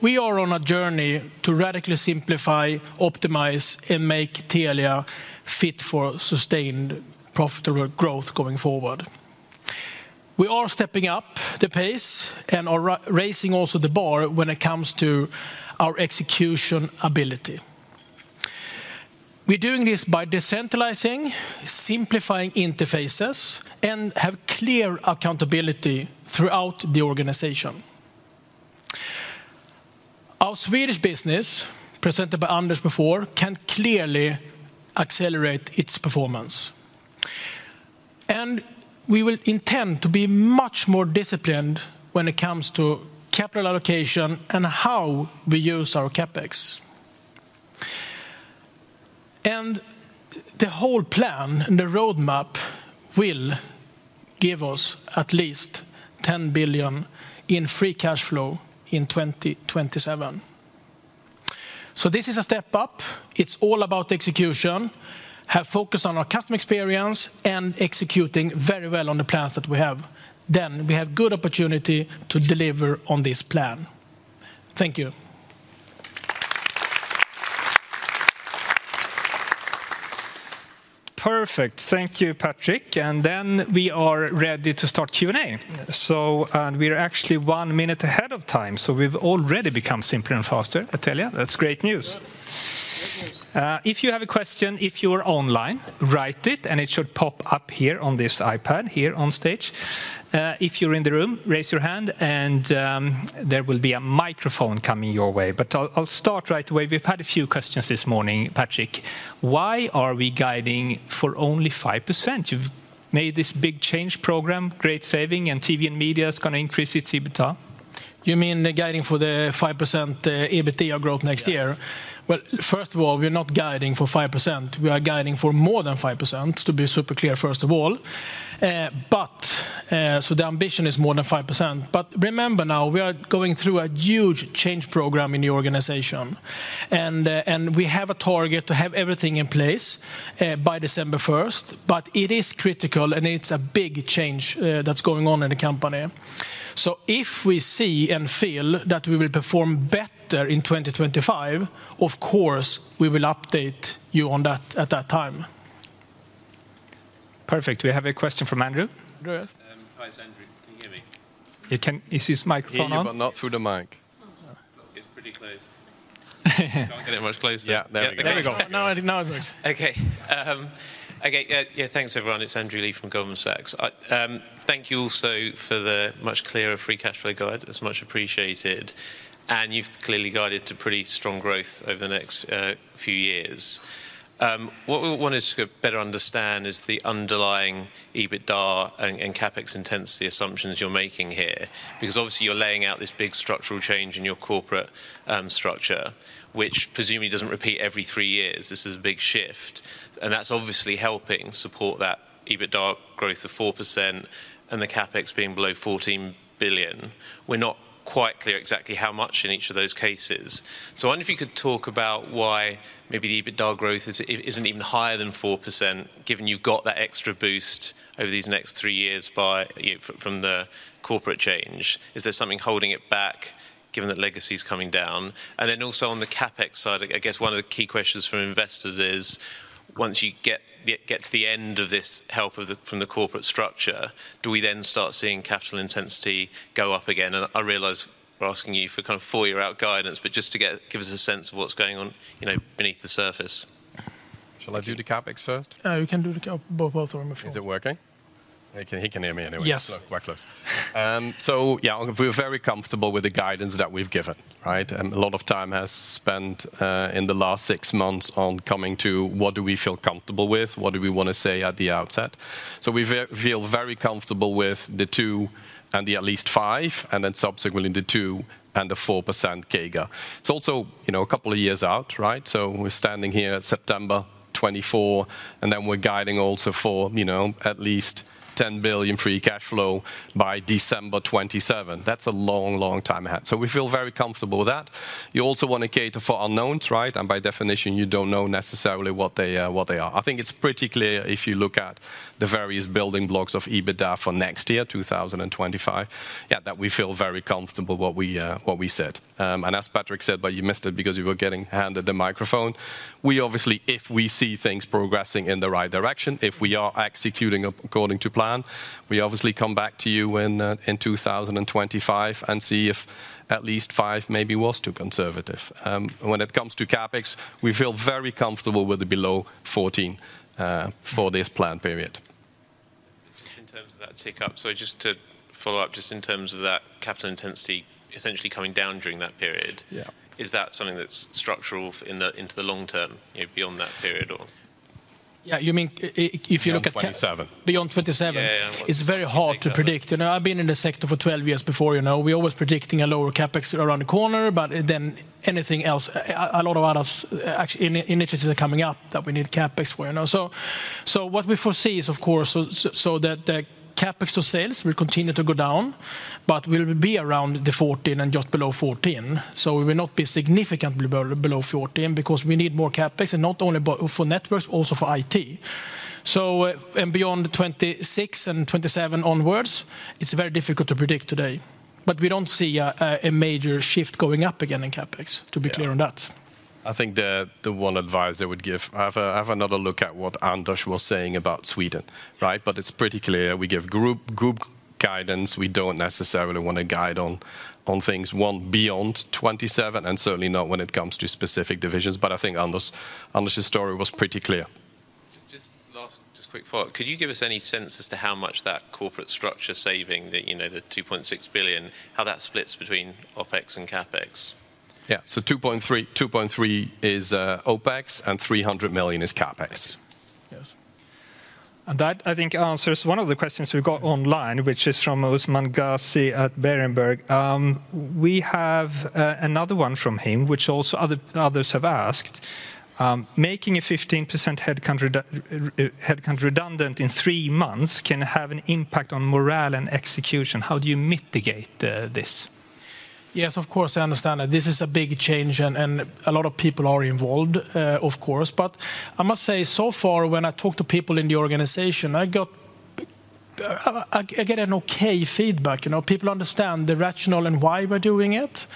We are on a journey to radically simplify, optimize, and make Telia fit for sustained profitable growth going forward. We are stepping up the pace and are raising also the bar when it comes to our execution ability. We're doing this by decentralizing, simplifying interfaces, and have clear accountability throughout the organization. Our Swedish business, presented by Anders before, can clearly accelerate its performance. We will intend to be much more disciplined when it comes to capital allocation and how we use our CapEx. The whole plan and the roadmap will give us at least 10 billion in free cash flow in 2027. This is a step up. It's all about execution, have focus on our customer experience, and executing very well on the plans that we have. Then we have good opportunity to deliver on this plan. Thank you. Perfect. Thank you, Patrik, and then we are ready to start Q&A. Yes. So, and we're actually one minute ahead of time, so we've already become simpler and faster at Telia. That's great news. Good. Great news. If you have a question, if you're online, write it, and it should pop up here on this iPad here on stage. If you're in the room, raise your hand, and there will be a microphone coming your way. But I'll start right away. We've had a few questions this morning, Patrik. Why are we guiding for only 5%? You've made this big change program, great saving, and TV and Media is gonna increase its EBITDA. You mean the guidance for the 5% EBITDA growth next year? Yes. Well, first of all, we're not guiding for 5%, we are guiding for more than 5%, to be super clear, first of all. So the ambition is more than 5%. But remember now, we are going through a huge change program in the organization, and and we have a target to have everything in place, by December 1st, but it is critical, and it's a big change, that's going on in the company. So if we see and feel that we will perform better in 2025, of course, we will update you on that at that time. Perfect. We have a question from Andrew. Andrew? Hi, it's Andrew. Can you hear me? Is his microphone on? Hear you, but not through the mic. It's pretty close. Can't get it much closer. Yeah, there we go. There we go. Now it works. Okay, yeah, yeah. Thanks, everyone. It's Andrew Lee from Goldman Sachs. I... Thank you also for the much clearer free cash flow guide. It's much appreciated, and you've clearly guided to pretty strong growth over the next, few years. What we wanted to better understand is the underlying EBITDA and CapEx intensity assumptions you're making here. Because obviously, you're laying out this big structural change in your corporate structure, which presumably doesn't repeat every three years. This is a big shift, and that's obviously helping support that EBITDA growth of 4% and the CapEx being below 14 billion SEK. We're not quite clear exactly how much in each of those cases. I wonder if you could talk about why maybe the EBITDA growth isn't even higher than 4%, given you've got that extra boost over these next three years by, you know, from the corporate change. Is there something holding it back, given that legacy is coming down? And then also on the CapEx side, I guess one of the key questions from investors is, once you get to the end of this help of the, from the corporate structure, do we then start seeing capital intensity go up again? And I realize we're asking you for kind of four-year-out guidance, but just to give us a sense of what's going on, you know, beneath the surface. Shall I do the CapEx first? Yeah, you can do both. Both are before. Is it working? He can, he can hear me anyway. Yes. We're quite close. So yeah, we're very comfortable with the guidance that we've given, right? And a lot of time has spent in the last six months on coming to what do we feel comfortable with? What do we wanna say at the outset? So we feel very comfortable with the 2% and the at least 5%, and then subsequently, the 2% and the 4% CAGR. It's also, you know, a couple of years out, right? So we're standing here September 2024, and then we're guiding also for, you know, at least 10 billion free cash flow by December 2027. That's a long, long time ahead. So we feel very comfortable with that. You also wanna cater for unknowns, right? And by definition, you don't know necessarily what they, what they are. I think it's pretty clear if you look at the various building blocks of EBITDA for next year, 2025, yeah, that we feel very comfortable what we, what we said, and as Patrik said, but you missed it because you were getting handed the microphone, we obviously, if we see things progressing in the right direction, if we are executing according to plan, we obviously come back to you in 2025 and see if at least five maybe was too conservative. When it comes to CapEx, we feel very comfortable with the below fourteen for this plan period. Just in terms of that tick up, so just to follow up, just in terms of that capital intensity, essentially coming down during that period- Yeah. Is that something that's structural into the long term, you know, beyond that period, or? Yeah, you mean, if you look at ca- Beyond '27. Beyond twenty-seven? Yeah, yeah. It's very hard to predict. You know, I've been in the sector for 12 years before, you know. We're always predicting a lower CapEx around the corner, but then anything else, a lot of others, actually, initiatives are coming up that we need CapEx for, you know. So that the CapEx to sales will continue to go down, but will be around the 14 and just below 14. We will not be significantly below 14 because we need more CapEx, and not only but for networks, also for IT. And beyond the 2026 and 2027 onwards, it's very difficult to predict today, but we don't see a major shift going up again in CapEx, to be clear on that. Yeah. I think the one advice I would give, have another look at what Anders was saying about Sweden, right? But it's pretty clear, we give group guidance. We don't necessarily want to guide on things beyond 2027, and certainly not when it comes to specific divisions. But I think Anders' story was pretty clear. Just last, just quick follow-up: Could you give us any sense as to how much that corporate structure saving, you know, the 2.6 billion, how that splits between OpEx and CapEx? Yeah. 2.3, 2.3 is OpEx, and 300 million is CapEx. Yes. That, I think, answers one of the questions we got online, which is from Usman Ghazi at Berenberg. We have another one from him, which others have asked. Making a 15% head count redundant in three months can have an impact on morale and execution. How do you mitigate this? Yes, of course, I understand that this is a big change, and a lot of people are involved, of course. But I must say, so far, when I talk to people in the organization, I get an okay feedback. You know, people understand the rationale and why we're doing it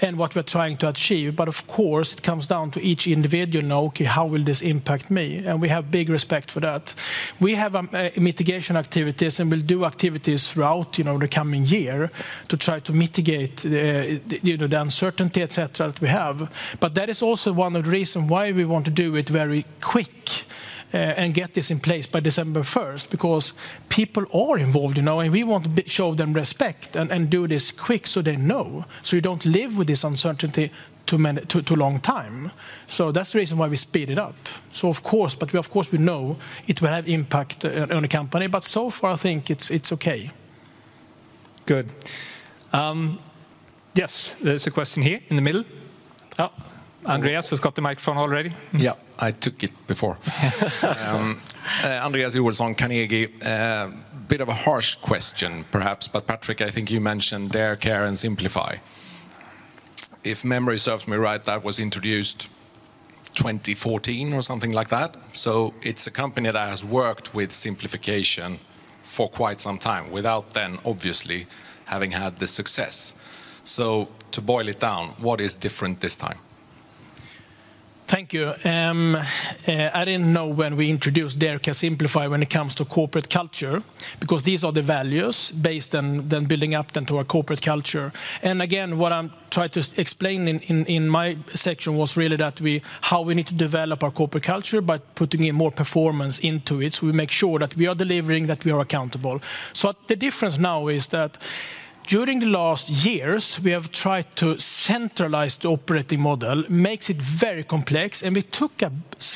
and what we're trying to achieve. But of course, it comes down to each individual, you know, okay, how will this impact me? And we have big respect for that. We have mitigation activities, and we'll do activities throughout, you know, the coming year to try to mitigate the, you know, the uncertainty, et cetera, that we have. But that is also one of the reason why we want to do it very quick and get this in place by December 1st, because people are involved, you know, and we want to show them respect and do this quick so they know, so you don't live with this uncertainty too many too long time. So that's the reason why we speed it up. So of course, but we of course know it will have impact on the company, but so far, I think it's okay. Good. Yes, there's a question here in the middle. Oh, Andreas has got the microphone already. Yeah, I took it before. Of course. Andreas Joelsson, Carnegie. A bit of a harsh question, perhaps, but Patrik, I think you mentioned dare, care, and simplify. If memory serves me right, that was introduced 2014 or something like that. So, it's a company that has worked with simplification for quite some time, without then obviously having had the success. So, to boil it down, what is different this time? Thank you. I didn't know when we introduced dare, care, simplify when it comes to corporate culture, because these are the values based on then building up then to our corporate culture. And again, what I'm trying to explain in my section was really that we, how we need to develop our corporate culture by putting in more performance into it, so we make sure that we are delivering, that we are accountable. So the difference now is that during the last years, we have tried to centralize the operating model, makes it very complex, and we took a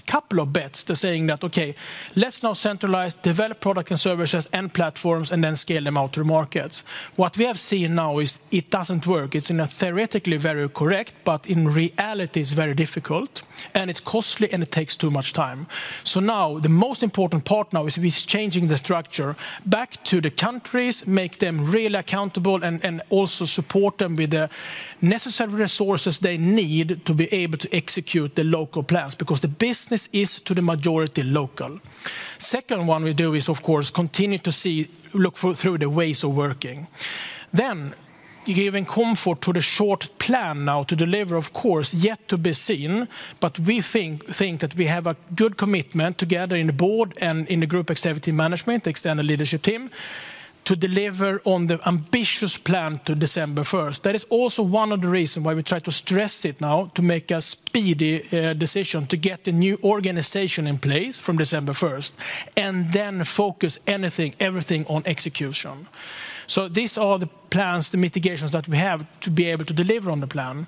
couple of bets to saying that, "Okay, let's now centralize, develop product and services and platforms, and then scale them out to markets." What we have seen now is it doesn't work. It's in a theoretically very correct, but in reality, it's very difficult, and it's costly, and it takes too much time. So now, the most important part now is we're changing the structure back to the countries, make them really accountable, and also support them with the necessary resources they need to be able to execute the local plans, because the business is, to the majority, local. Second one we do is, of course, continue to see, look for through the ways of working. Then, giving comfort to the short plan now to deliver, of course, yet to be seen, but we think that we have a good commitment together in the board and in the group executive management, extended leadership team... to deliver on the ambitious plan to December 1st. That is also one of the reasons why we try to stress it now, to make a speedy decision to get the new organization in place from December 1st, and then focus anything, everything on execution. So these are the plans, the mitigations that we have to be able to deliver on the plan.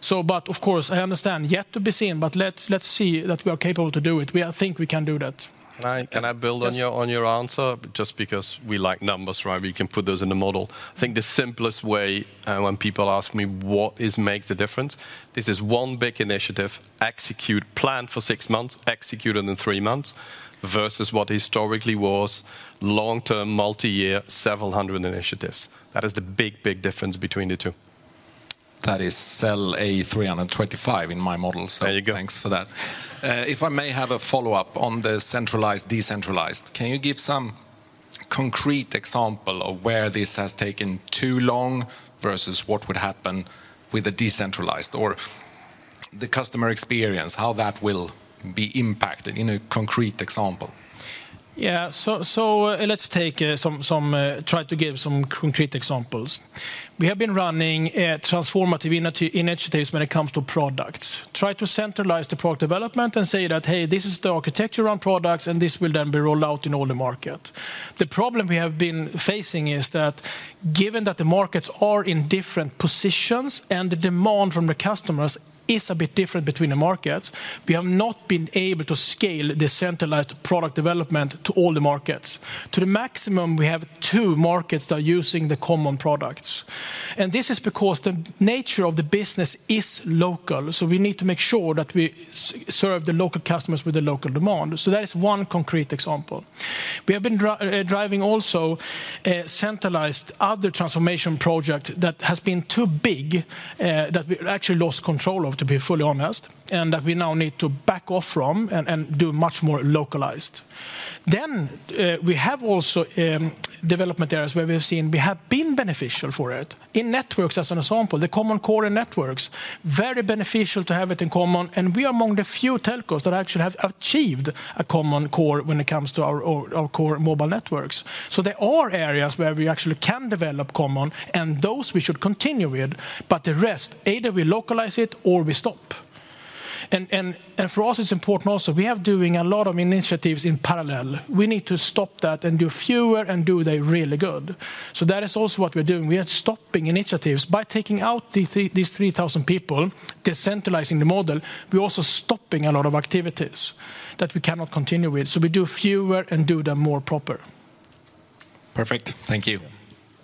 So but, of course, I understand, yet to be seen, but let's see that we are capable to do it. We, I think we can do that. Can I build- Yes on your, on your answer? Just because we like numbers, right, we can put those in the model. I think the simplest way, when people ask me what is make the difference, this is one big initiative, execute plan for six months, execute it in three months, versus what historically was long-term, multi-year, several hundred initiatives. That is the big, big difference between the two. That is cell A325 in my model. There you go. So thanks for that. If I may have a follow-up on the centralized, decentralized, can you give some concrete example of where this has taken too long versus what would happen with a decentralized, or the customer experience, how that will be impacted in a concrete example? Yeah, so let's take some, try to give some concrete examples. We have been running transformative initiatives when it comes to products. Try to centralize the product development and say that, "Hey, this is the architecture on products, and this will then be rolled out in all the market." The problem we have been facing is that given that the markets are in different positions, and the demand from the customers is a bit different between the markets, we have not been able to scale the centralized product development to all the markets. To the maximum, we have two markets that are using the common products, and this is because the nature of the business is local, so we need to make sure that we serve the local customers with the local demand. So that is one concrete example. We have been driving also centralized other transformation project that has been too big, that we actually lost control of, to be fully honest, and that we now need to back off from and do much more localized. Then we have also development areas where we've seen we have been beneficial for it. In networks, as an example, the common core networks, very beneficial to have it in common, and we are among the few telcos that actually have achieved a common core when it comes to our core mobile networks. So there are areas where we actually can develop common, and those we should continue with, but the rest, either we localize it or we stop. For us, it's important also, we have doing a lot of initiatives in parallel. We need to stop that and do fewer and do them really good. So that is also what we're doing. We are stopping initiatives. By taking out the three- these 3,000 people, decentralizing the model, we're also stopping a lot of activities that we cannot continue with. So we do fewer and do them more proper. Perfect. Thank you.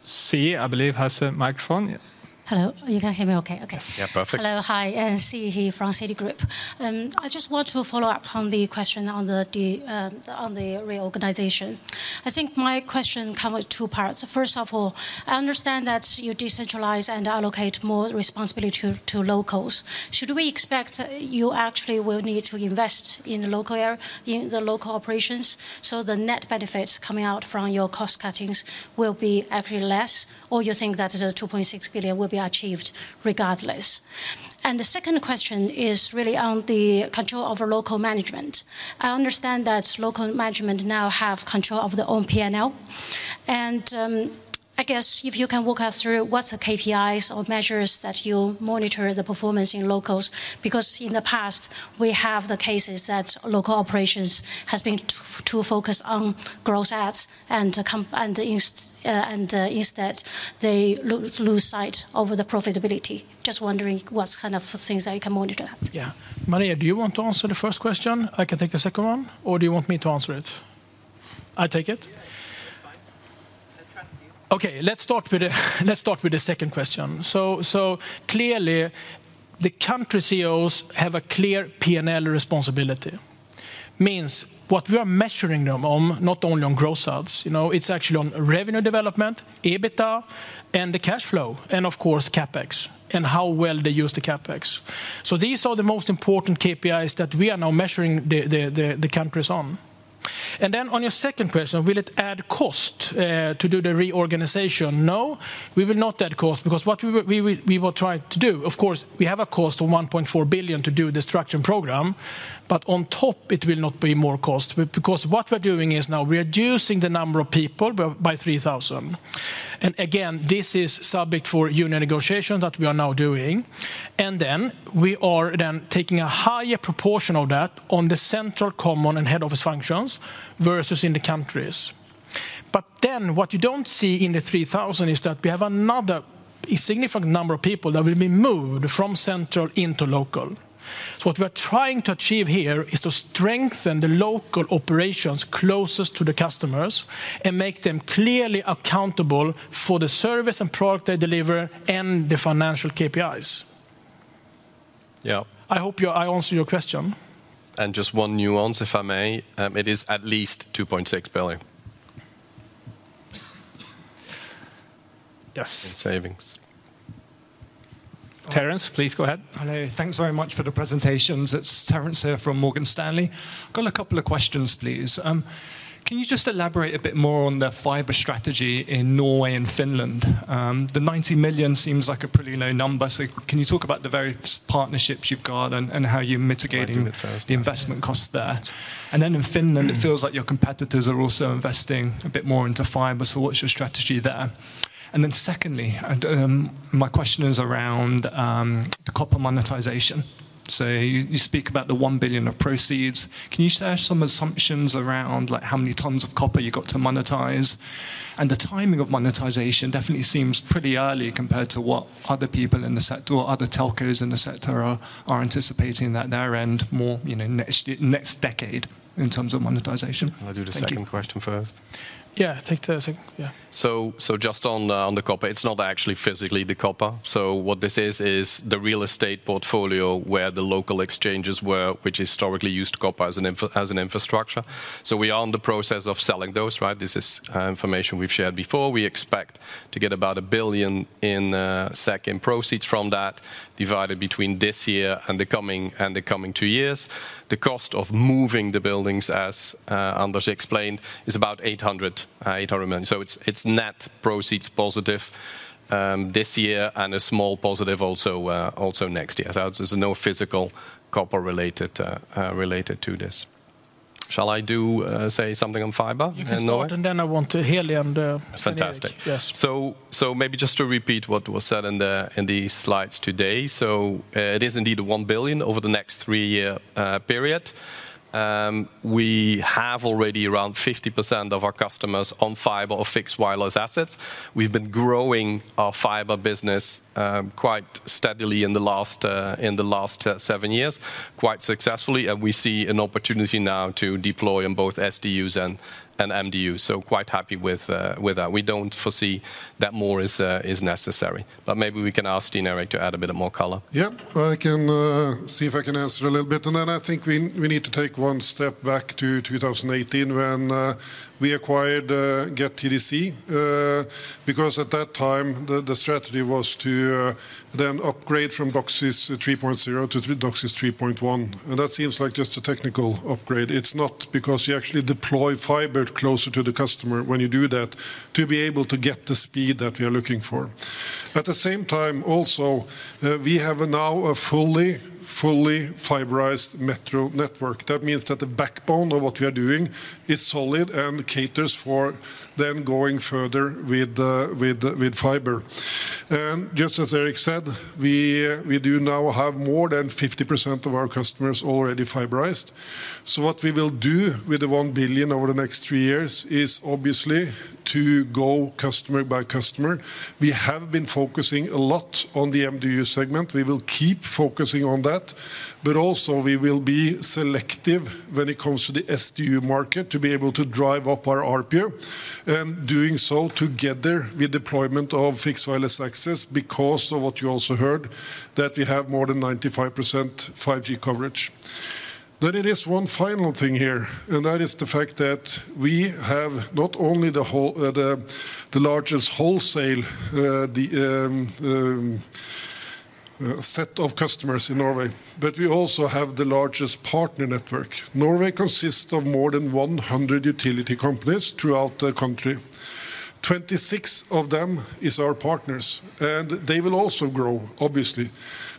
Siyi, I believe, has a microphone. Hello. You can hear me okay? Okay. Yeah, perfect. Hello. Hi, Siyi He from Citigroup. I just want to follow up on the question on the reorganization. I think my question come with two parts. First of all, I understand that you decentralize and allocate more responsibility to locals. Should we expect you actually will need to invest in the local area, in the local operations, so the net benefits coming out from your cost cuttings will be actually less, or you think that the 2.6 billion will be achieved regardless? And the second question is really on the control of the local management. I understand that local management now have control of their own P&L, and I guess if you can walk us through what's the KPIs or measures that you monitor the performance in locals? Because in the past, we have the cases that local operations has been too focused on gross adds such that they lose sight over the profitability. Just wondering what kind of things I can monitor that. Yeah. Maria, do you want to answer the first question? I can take the second one, or do you want me to answer it? I take it? Yeah, that's fine. I trust you. Okay, let's start with the second question. So clearly, the country CEOs have a clear P&L responsibility. Means what we are measuring them on, not only on gross ads, you know, it's actually on revenue development, EBITDA, and the cash flow, and of course, CapEx, and how well they use the CapEx. So these are the most important KPIs that we are now measuring the countries on. And then on your second question, will it add cost to do the reorganization? No, we will not add cost because what we will try to do, of course, we have a cost of 1.4 billion to do the structuring program, but on top it will not be more cost. Because what we're doing is now reducing the number of people by 3,000. Again, this is subject to union negotiation that we are now doing. We are taking a higher proportion of that on the central, common, and head office functions versus in the countries. What you don't see in the 3,000 is that we have another significant number of people that will be moved from central into local. What we are trying to achieve here is to strengthen the local operations closest to the customers and make them clearly accountable for the service and product they deliver and the financial KPIs. Yeah. I hope I answer your question. And just one nuance, if I may. It is at least 2.6 billion. Yes. And savings. Terrence, please go ahead. Hello. Thanks very much for the presentations. It's Terrence here from Morgan Stanley. Got a couple of questions, please. Can you just elaborate a bit more on the fiber strategy in Norway and Finland? The 90 million seems like a pretty low number, so can you talk about the various partnerships you've got and how you're mitigating- I'll do it first. the investment costs there? And then in Finland Mm It feels like your competitors are also investing a bit more into fiber, so what's your strategy there? And then secondly, my question is around the copper monetization. So you speak about the 1 billion of proceeds. Can you share some assumptions around, like, how many tons of copper you got to monetize? And the timing of monetization definitely seems pretty early compared to what other people in the sector or other telcos in the sector are anticipating at their end, more, you know, next year-next decade in terms of monetization. I'll do the second- Thank you Question first. Yeah, take the second. Yeah. So just on the copper, it's not actually physically the copper. So what this is, is the real estate portfolio where the local exchanges were, which historically used copper as an infrastructure. So we are in the process of selling those, right? This is information we've shared before. We expect to get about 1 billion in proceeds from that, divided between this year and the coming two years. The cost of moving the buildings, as Anders explained, is about 800 million. So it's net proceeds positive, this year, and a small positive also next year. So there's no physical copper-related related to this. Shall I say something on fiber in Norway? You can start, and then I want to hear Leander. Fantastic. Yes. Maybe just to repeat what was said in the slides today. It is indeed 1 billion over the next three-year period. We have already around 50% of our customers on fiber or fixed wireless assets. We've been growing our fiber business quite steadily in the last seven years, quite successfully, and we see an opportunity now to deploy in both SDUs and MDUs. Quite happy with that. We don't foresee that more is necessary, but maybe we can ask then Eric to add a bit more color. Yeah. I can see if I can answer a little bit. And then I think we need to take one step back to 2018, when we acquired Get TDC. Because at that time, the strategy was to then upgrade from DOCSIS 3.0 to DOCSIS 3.1, and that seems like just a technical upgrade. It's not, because you actually deploy fiber closer to the customer when you do that, to be able to get the speed that we are looking for. At the same time, also, we have now a fully fiberized metro network. That means that the backbone of what we are doing is solid and caters for then going further with the fiber. And just as Eric said, we do now have more than 50% of our customers already fiberized. So what we will do with the 1 billion over the next three years is obviously to go customer by customer. We have been focusing a lot on the MDU segment. We will keep focusing on that, but also we will be selective when it comes to the SDU market, to be able to drive up our ARPU, and doing so together with deployment of fixed wireless access, because of what you also heard, that we have more than 95% 5G coverage. But it is one final thing here, and that is the fact that we have not only the largest wholesale set of customers in Norway, but we also have the largest partner network. Norway consists of more than 100 utility companies throughout the country. 26 of them is our partners, and they will also grow, obviously.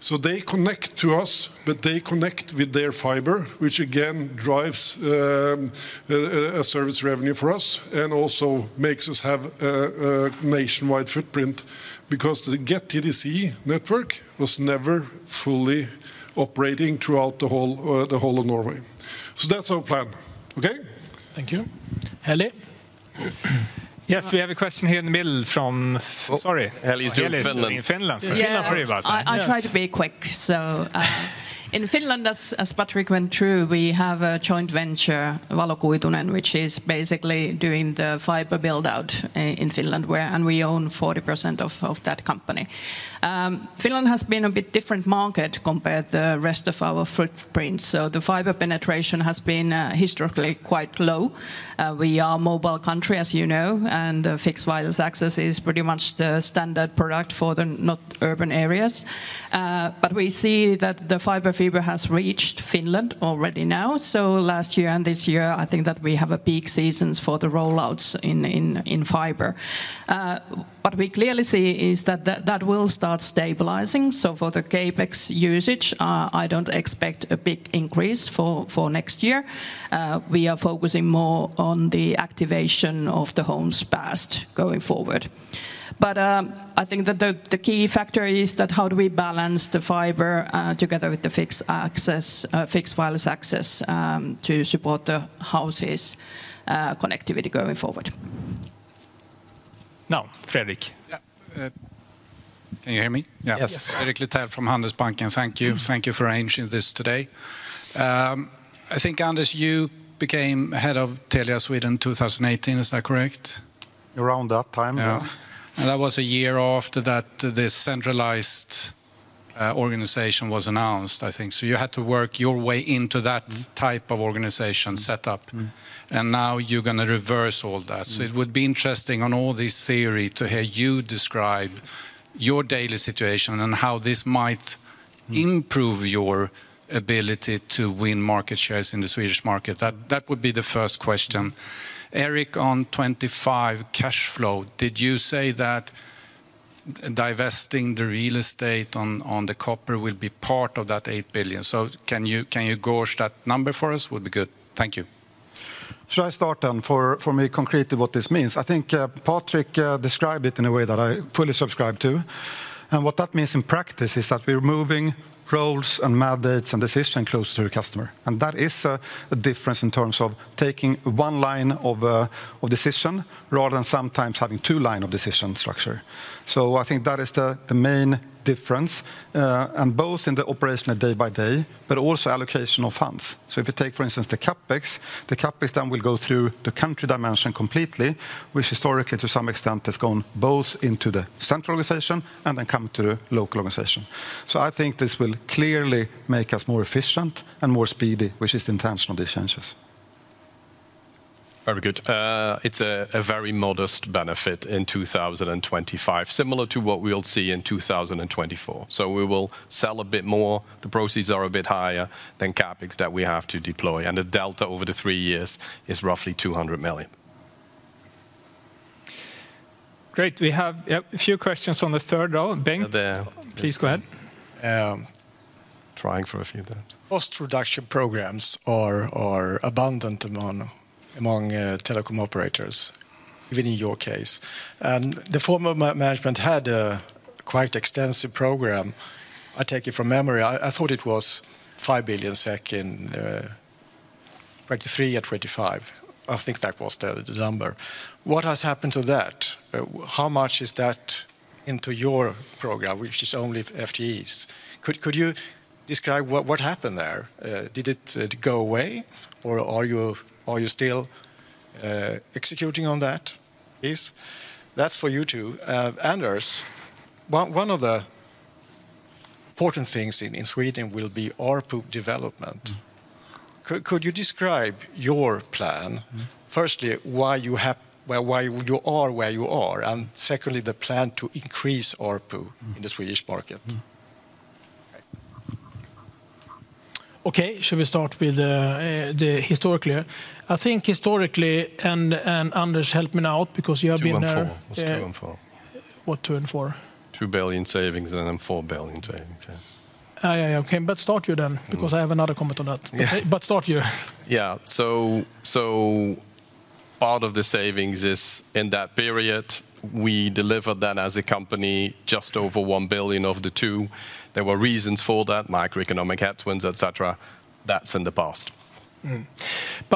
So they connect to us, but they connect with their fiber, which again drives a service revenue for us, and also makes us have a nationwide footprint, because the Get TDC network was never fully operating throughout the whole of Norway. So that's our plan. Okay? Thank you. Helle? Yes, we have a question here in the middle from... Sorry. Heli's doing Finland. In Finland. Finland, very well. Yeah. Yes. I'll try to be quick. So, in Finland, as Patrick went through, we have a joint venture, Valokuitunen, which is basically doing the fiber build-out in Finland, and we own 40% of that company. Finland has been a bit different market compared to the rest of our footprint, so the fiber penetration has been historically quite low. We are a mobile country, as you know, and fixed wireless access is pretty much the standard product for the not urban areas. But we see that the fiber fever has reached Finland already now. So last year and this year, I think that we have peak seasons for the rollouts in fiber. What we clearly see is that that will start stabilizing, so for the CapEx usage, I don't expect a big increase for next year. We are focusing more on the activation of the homes passed going forward. But I think that the key factor is that how do we balance the fiber together with the fixed access, fixed wireless access, to support the households' connectivity going forward? Now, Fredrik. Yeah. Can you hear me? Yes. Fredrik Lithell from Handelsbanken. Thank you. Thank you for arranging this today. I think, Anders, you became Head of Telia Sweden 2018, is that correct? Around that time, yeah. Yeah. And that was a year after that, the centralized- The organization was announced, I think. So you had to work your way into that type of organization set up, and now you're gonna reverse all that. So it would be interesting on all this theory to hear you describe your daily situation and how this might improve your ability to win market shares in the Swedish market. That, that would be the first question. Eric, on 2025 cash flow, did you say that divesting the real estate on, on the copper will be part of that 8 billion? So can you, can you gauge that number for us, would be good. Thank you. Should I start then? For me, concretely what this means, I think, Patrik described it in a way that I fully subscribe to, and what that means in practice is that we're moving roles and mandates and decision closer to the customer, and that is a difference in terms of taking one line of decision, rather than sometimes having two line of decision structure, so I think that is the main difference, and both in the operational day-by-day, but also allocation of funds, so if you take, for instance, the CapEx, the CapEx then will go through the country dimension completely, which historically, to some extent, has gone both into the central organization and then come to the local organization, so I think this will clearly make us more efficient and more speedy, which is the intention of these changes. Very good. It's a very modest benefit in 2025, similar to what we'll see in 2024. So we will sell a bit more. The proceeds are a bit higher than CapEx that we have to deploy, and the delta over the three years is roughly 200 million. Great. We have, yep, a few questions on the third row. Bengt- There. Please go ahead. Trying for a few minutes. Cost reduction programs are abundant among telecom operators, even in your case, and the former management had a quite extensive program. I take it from memory, I thought it was 5 billion SEK in 2023 or 2025. I think that was the number. What has happened to that? How much is that into your program, which is only FTEs? Could you describe what happened there? Did it go away, or are you still executing on that, please? That's for you two. Anders, one of the important things in Sweden will be ARPU development. Mm. Could you describe your plan? Mm. Firstly, why you have... Well, why you are where you are, and secondly, the plan to increase ARPU. Mm. in the Swedish market. Mm. Okay. Okay, should we start with the historically? I think historically, and, and Anders, help me out, because you have been there- Two and four. It's two and four. What, two and four? Two billion savings and then four billion savings, yeah. Yeah, yeah. Okay, but start you then- Mm Because I have another comment on that. But start you. Yeah. So part of the savings is in that period. We delivered that as a company, just over 1 billion of the 2 billion. There were reasons for that, macroeconomic headwinds, et cetera. That's in the past.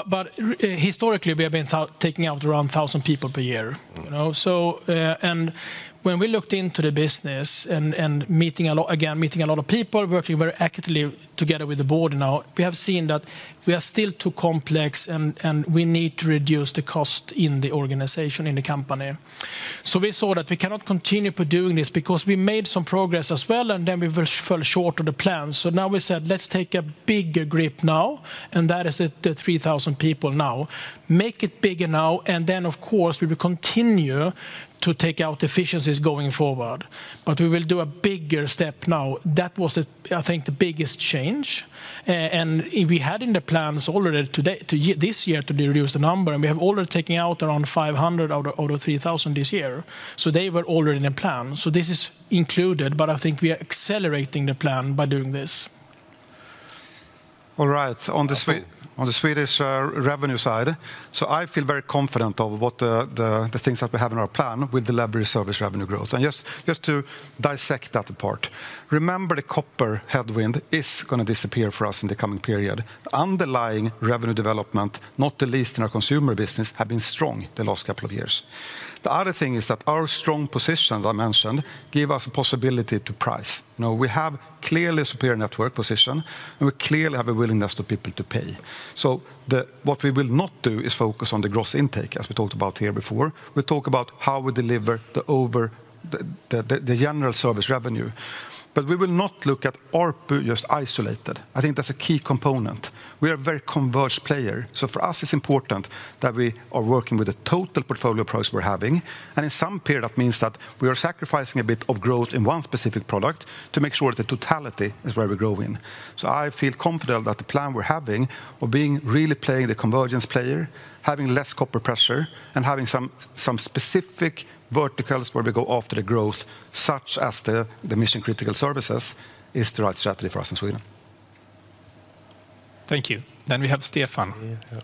But historically, we have been taking out around thousand people per year- Mm You know, so, and when we looked into the business and meeting a lot of people, working very actively together with the board now, we have seen that we are still too complex, and we need to reduce the cost in the organization, in the company. So we saw that we cannot continue for doing this, because we made some progress as well, and then we fell short of the plan. So now we said, "Let's take a bigger grip now," and that is the three thousand people now. Make it bigger now, and then, of course, we will continue to take out efficiencies going forward, but we will do a bigger step now. That was, I think, the biggest change. And we had in the plans already today, to this year, to reduce the number, and we have already taken out around 500 out of 3,000 this year. So they were already in the plan. So this is included, but I think we are accelerating the plan by doing this. All right. On the Swedish revenue side, so I feel very confident of what the things that we have in our plan with the delivery service revenue growth. And just, just to dissect that apart, remember, the copper headwind is gonna disappear for us in the coming period. Underlying revenue development, not the least in our consumer business, have been strong the last couple of years. The other thing is that our strong position, as I mentioned, give us a possibility to price. Now, we have clearly a superior network position, and we clearly have a willingness of people to pay. So, what we will not do is focus on the gross intake, as we talked about here before. We talk about how we deliver the overall service revenue. But we will not look at ARPU just isolated. I think that's a key component. We are a very converged player, so for us it's important that we are working with the total portfolio approach we're having, and in some period, that means that we are sacrificing a bit of growth in one specific product to make sure the totality is where we're growing, so I feel confident that the plan we're having of being really playing the convergence player, having less copper pressure, and having some specific verticals where we go after the growth, such as the mission-critical services, is the right strategy for us in Sweden. Thank you. Then we have Stefan. Yeah, yeah.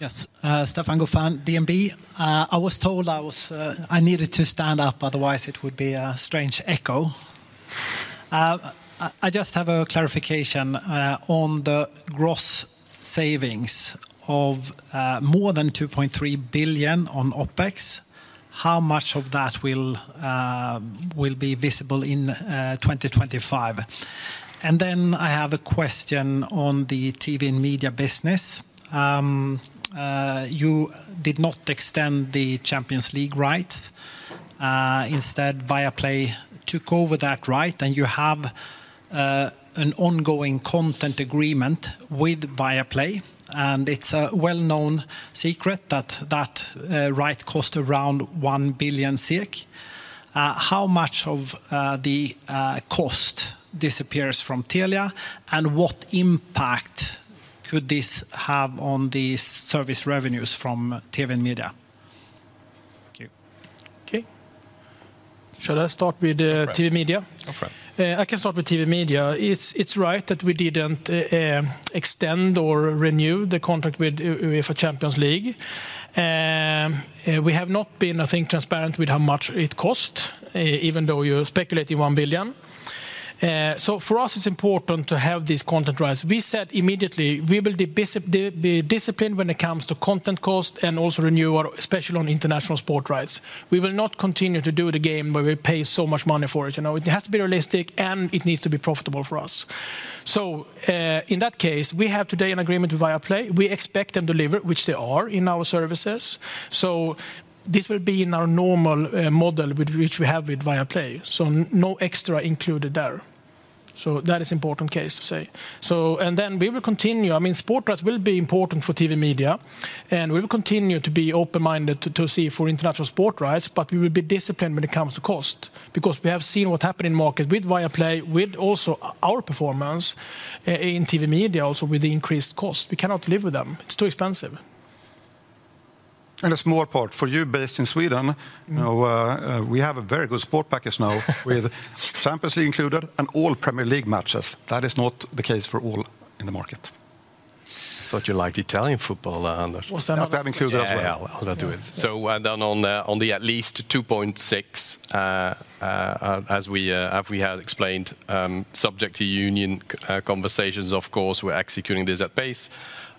Yes. Stefan Gauffin, DNB. I was told I was, I needed to stand up, otherwise it would be a strange echo. I just have a clarification on the gross savings of more than 2.3 billion on OpEx. How much of that will be visible in 2025? And then I have a question on the TV and media business. You did not extend the Champions League rights. Instead, Viaplay took over that right, and you have an ongoing content agreement with Viaplay, and it's a well-known secret that that right cost around 1 billion SEK. How much of the cost disappears from Telia, and what impact could this have on the service revenues from TV and media? Thank you. Okay. Should I start with TV and media? Go for it. I can start with TV and media. It's right that we didn't extend or renew the contract with UEFA Champions League. We have not been, I think, transparent with how much it cost, even though you're speculating one billion, so for us, it's important to have these content rights. We said immediately, we will be disciplined when it comes to content cost and also renew our, especially on international sport rights. We will not continue to do the game where we pay so much money for it, you know. It has to be realistic, and it needs to be profitable for us, so in that case, we have today an agreement with Viaplay. We expect them to deliver, which they are, in our services. So this will be in our normal model with which we have with Viaplay, so no extra included there. So that is important case to say. We will continue. I mean, sport rights will be important for TV and media, and we will continue to be open-minded to see for international sport rights, but we will be disciplined when it comes to cost. Because we have seen what happened in market with Viaplay, with also our performance in TV and media, also with the increased cost. We cannot live with them. It's too expensive. A small part for you based in Sweden, you know, we have a very good sport package now with Champions League included and all Premier League matches. That is not the case for all in the market. I thought you liked Italian football, Anders. Well, that- That's included as well. Yeah, I'll do it. So, and then on the at least 2.6, as we had explained, subject to union c- conversations, of course, we're executing this at pace.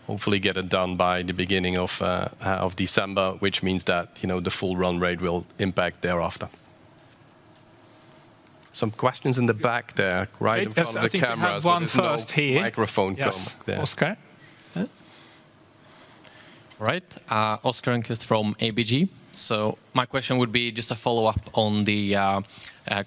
Hopefully, get it done by the beginning of December, which means that, you know, the full run rate will impact thereafter. Some questions in the back there, right in front of the cameras- Yes, I think we have one first here. But there's no microphone come there. Yes, Oscar. Yeah. All right. Oscar Rönnkvist from ABG. So my question would be just a follow-up on the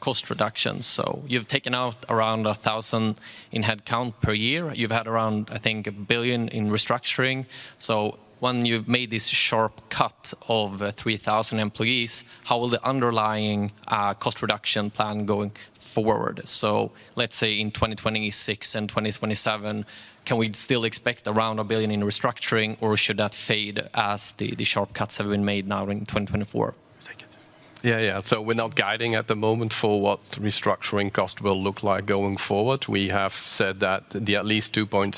cost reductions. So you've taken out around 1,000 in headcount per year. You've had around, I think, 1 billion in restructuring. So when you've made this sharp cut of 3,000 employees, how will the underlying cost reduction plan going forward? So let's say in 2026 and 2027, can we still expect around 1 billion in restructuring, or should that fade as the sharp cuts have been made now in 2024? Take it. Yeah, yeah. So we're not guiding at the moment for what restructuring cost will look like going forward. We have said that the at least 2.6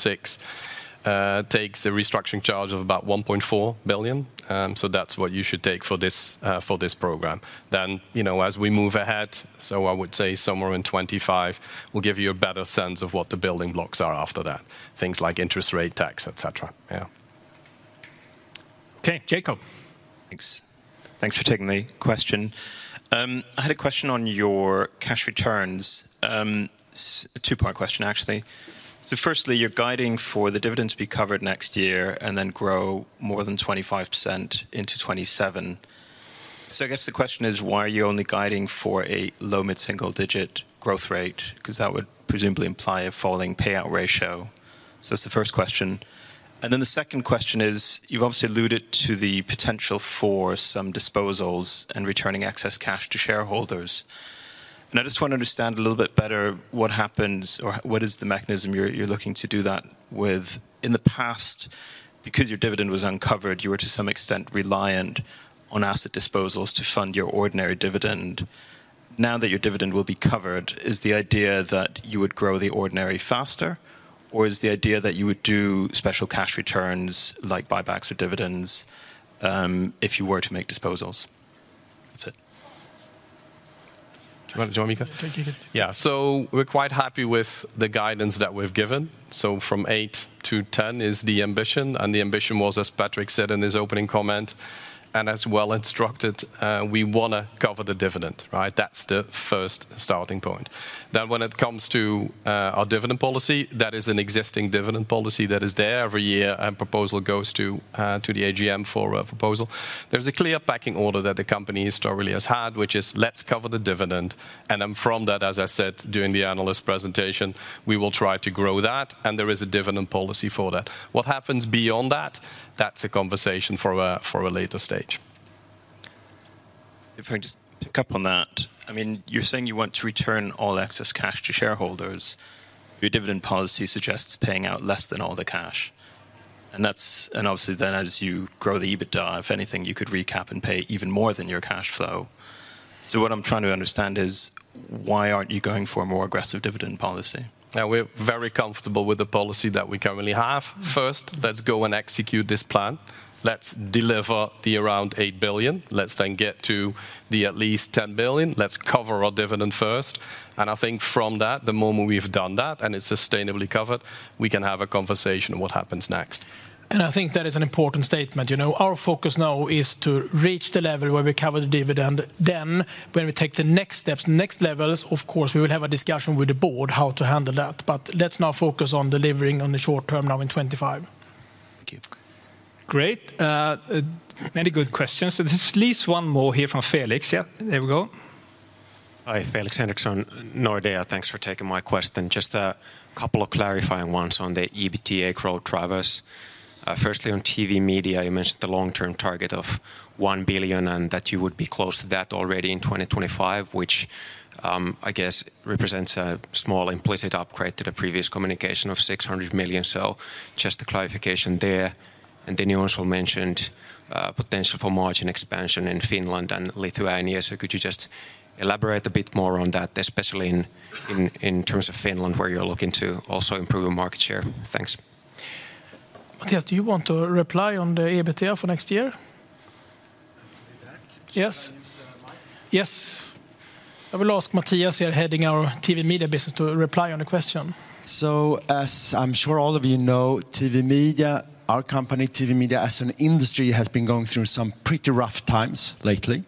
takes a restructuring charge of about 1.4 billion. So that's what you should take for this for this program. Then, you know, as we move ahead, so I would say somewhere in 2025, we'll give you a better sense of what the building blocks are after that, things like interest rate, tax, et cetera. Yeah. Okay, Jacob. Thanks. Thanks for taking the question. I had a question on your cash returns. A two-part question, actually. So firstly, you're guiding for the dividend to be covered next year and then grow more than 25% into 2027. So I guess the question is, why are you only guiding for a low-mid single digit growth rate? Because that would presumably imply a falling payout ratio. So that's the first question. And then the second question is, you've obviously alluded to the potential for some disposals and returning excess cash to shareholders, and I just want to understand a little bit better what is the mechanism you're looking to do that with. In the past, because your dividend was uncovered, you were, to some extent, reliant on asset disposals to fund your ordinary dividend. Now that your dividend will be covered, is the idea that you would grow the ordinary faster, or is the idea that you would do special cash returns, like buybacks or dividends, if you were to make disposals? That's it. You wanna join me, Mika? Take it. Yeah. So we're quite happy with the guidance that we've given. So from eight to ten is the ambition, and the ambition was, as Patrik said in his opening comment, and as well instructed, we wanna cover the dividend, right? That's the first starting point. Then, when it comes to our dividend policy, that is an existing dividend policy that is there every year, a proposal goes to the AGM for a proposal. There's a clear backing order that the company historically has had, which is, "Let's cover the dividend." And then from that, as I said, during the analyst presentation, we will try to grow that, and there is a dividend policy for that. What happens beyond that, that's a conversation for a later stage. If I can just pick up on that, I mean, you're saying you want to return all excess cash to shareholders. Your dividend policy suggests paying out less than all the cash, and that's... And obviously then, as you grow the EBITDA, if anything, you could recap and pay even more than your cash flow. So what I'm trying to understand is, why aren't you going for a more aggressive dividend policy? Yeah, we're very comfortable with the policy that we currently have. First, let's go and execute this plan. Let's deliver the around 8 billion. Let's then get to the at least 10 billion. Let's cover our dividend first, and I think from that, the moment we've done that, and it's sustainably covered, we can have a conversation on what happens next. And I think that is an important statement. You know, our focus now is to reach the level where we cover the dividend. Then, when we take the next steps, next levels, of course, we will have a discussion with the board how to handle that, but let's now focus on delivering on the short term now in 2025. Great. Many good questions. So there's at least one more here from Felix. Yeah, there we go. Hi, Felix Henriksson, Nordea. Thanks for taking my question. Just a couple of clarifying ones on the EBITDA growth drivers. Firstly, on TV media, you mentioned the long-term target of 1 billion SEK, and that you would be close to that already in 2025, which, I guess represents a small implicit upgrade to the previous communication of 600 million SEK. So just a clarification there. And then you also mentioned, potential for margin expansion in Finland and Lithuania. So could you just elaborate a bit more on that, especially in terms of Finland, where you're looking to also improve the market share? Thanks. Mathias, do you want to reply on the EBITDA for next year? I can do that. Yes. Use the mic. Yes. I will ask Mathias here, heading our TV media business, to reply on the question. As I'm sure all of you know, TV media, our company, TV media, as an industry, has been going through some pretty rough times lately.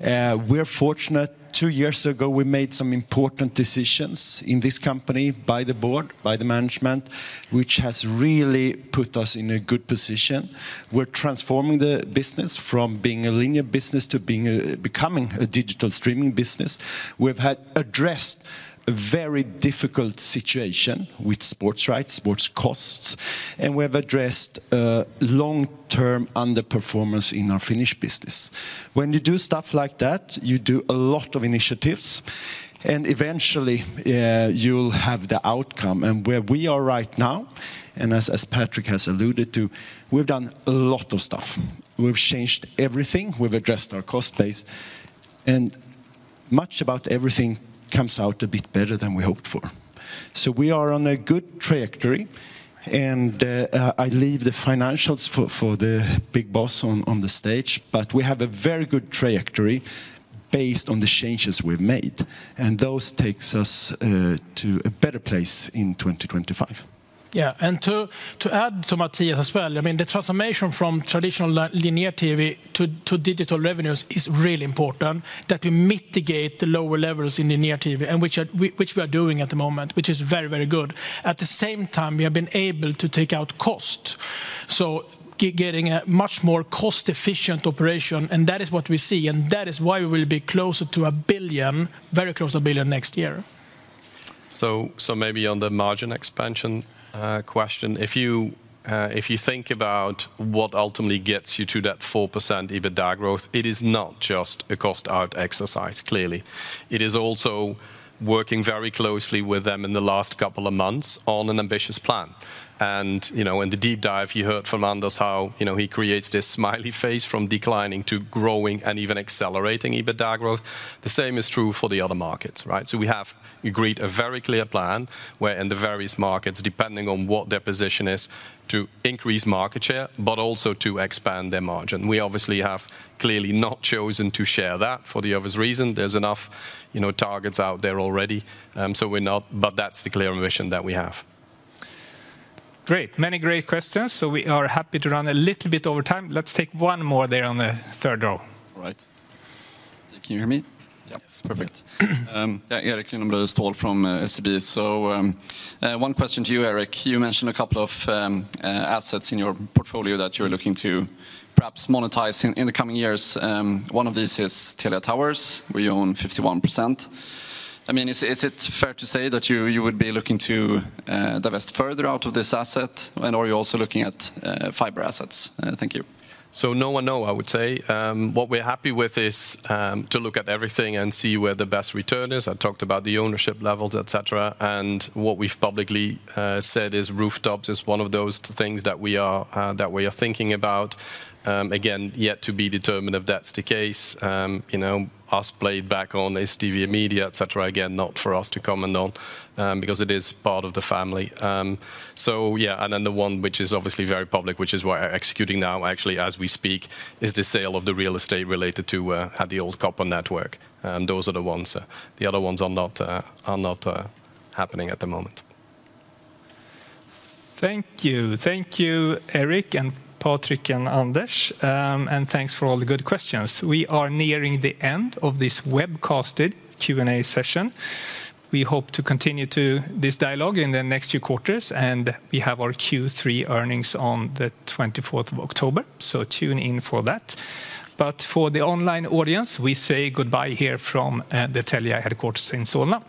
We're fortunate; two years ago, we made some important decisions in this company by the board, by the management, which has really put us in a good position. We're transforming the business from being a linear business to becoming a digital streaming business. We've had addressed a very difficult situation with sports rights, sports costs, and we have addressed a long-term underperformance in our Finnish business. When you do stuff like that, you do a lot of initiatives, and eventually, you'll have the outcome. Where we are right now, and as Patrik has alluded to, we've done a lot of stuff. We've changed everything. We've addressed our cost base, and much about everything comes out a bit better than we hoped for. So we are on a good trajectory, and I leave the financials for the big boss on the stage, but we have a very good trajectory based on the changes we've made, and those takes us to a better place in twenty twenty-five. Yeah, and to add to Mathias as well, I mean, the transformation from traditional linear TV to digital revenues is really important, that we mitigate the lower levels in linear TV, and which we are doing at the moment, which is very, very good. At the same time, we have been able to take out cost, so getting a much more cost-efficient operation, and that is what we see, and that is why we will be closer to a billion, very close to a billion next year. So maybe on the margin expansion question, if you think about what ultimately gets you to that 4% EBITDA growth, it is not just a cost-out exercise, clearly. It is also working very closely with them in the last couple of months on an ambitious plan. And, you know, in the deep dive, you heard from Anders how, you know, he creates this smiley face from declining to growing and even accelerating EBITDA growth. The same is true for the other markets, right? So we have agreed a very clear plan where in the various markets, depending on what their position is, to increase market share, but also to expand their margin. We obviously have clearly not chosen to share that for the obvious reason. There's enough, you know, targets out there already, so we're not...But that's the clear mission that we have. Great. Many great questions, so we are happy to run a little bit over time. Let's take one more there on the third row. All right. Can you hear me? Yes. Perfect. Yeah, Eric Lunablue Stahl from SEB. So, one question to you, Eric. You mentioned a couple of assets in your portfolio that you're looking to perhaps monetize in the coming years. One of these is Telia Towers, where you own 51%. I mean, is it fair to say that you would be looking to divest further out of this asset, and are you also looking at fiber assets? Thank you. So no and no, I would say. What we're happy with is to look at everything and see where the best return is. I talked about the ownership levels, et cetera, and what we've publicly said is rooftops is one of those things that we are thinking about. Again, yet to be determined if that's the case. You know, us playing back on STV Media, et cetera, again, not for us to comment on, because it is part of the family. So yeah, and then the one which is obviously very public, which is what we're executing now, actually, as we speak, is the sale of the real estate related to the old copper network, and those are the ones. The other ones are not happening at the moment. Thank you. Thank you, Eric, and Patrick, and Anders, and thanks for all the good questions. We are nearing the end of this webcasted Q&A session. We hope to continue to this dialogue in the next few quarters, and we have our Q3 earnings on the twenty-fourth of October, so tune in for that. But for the online audience, we say goodbye here from the Telia headquarters in Solna.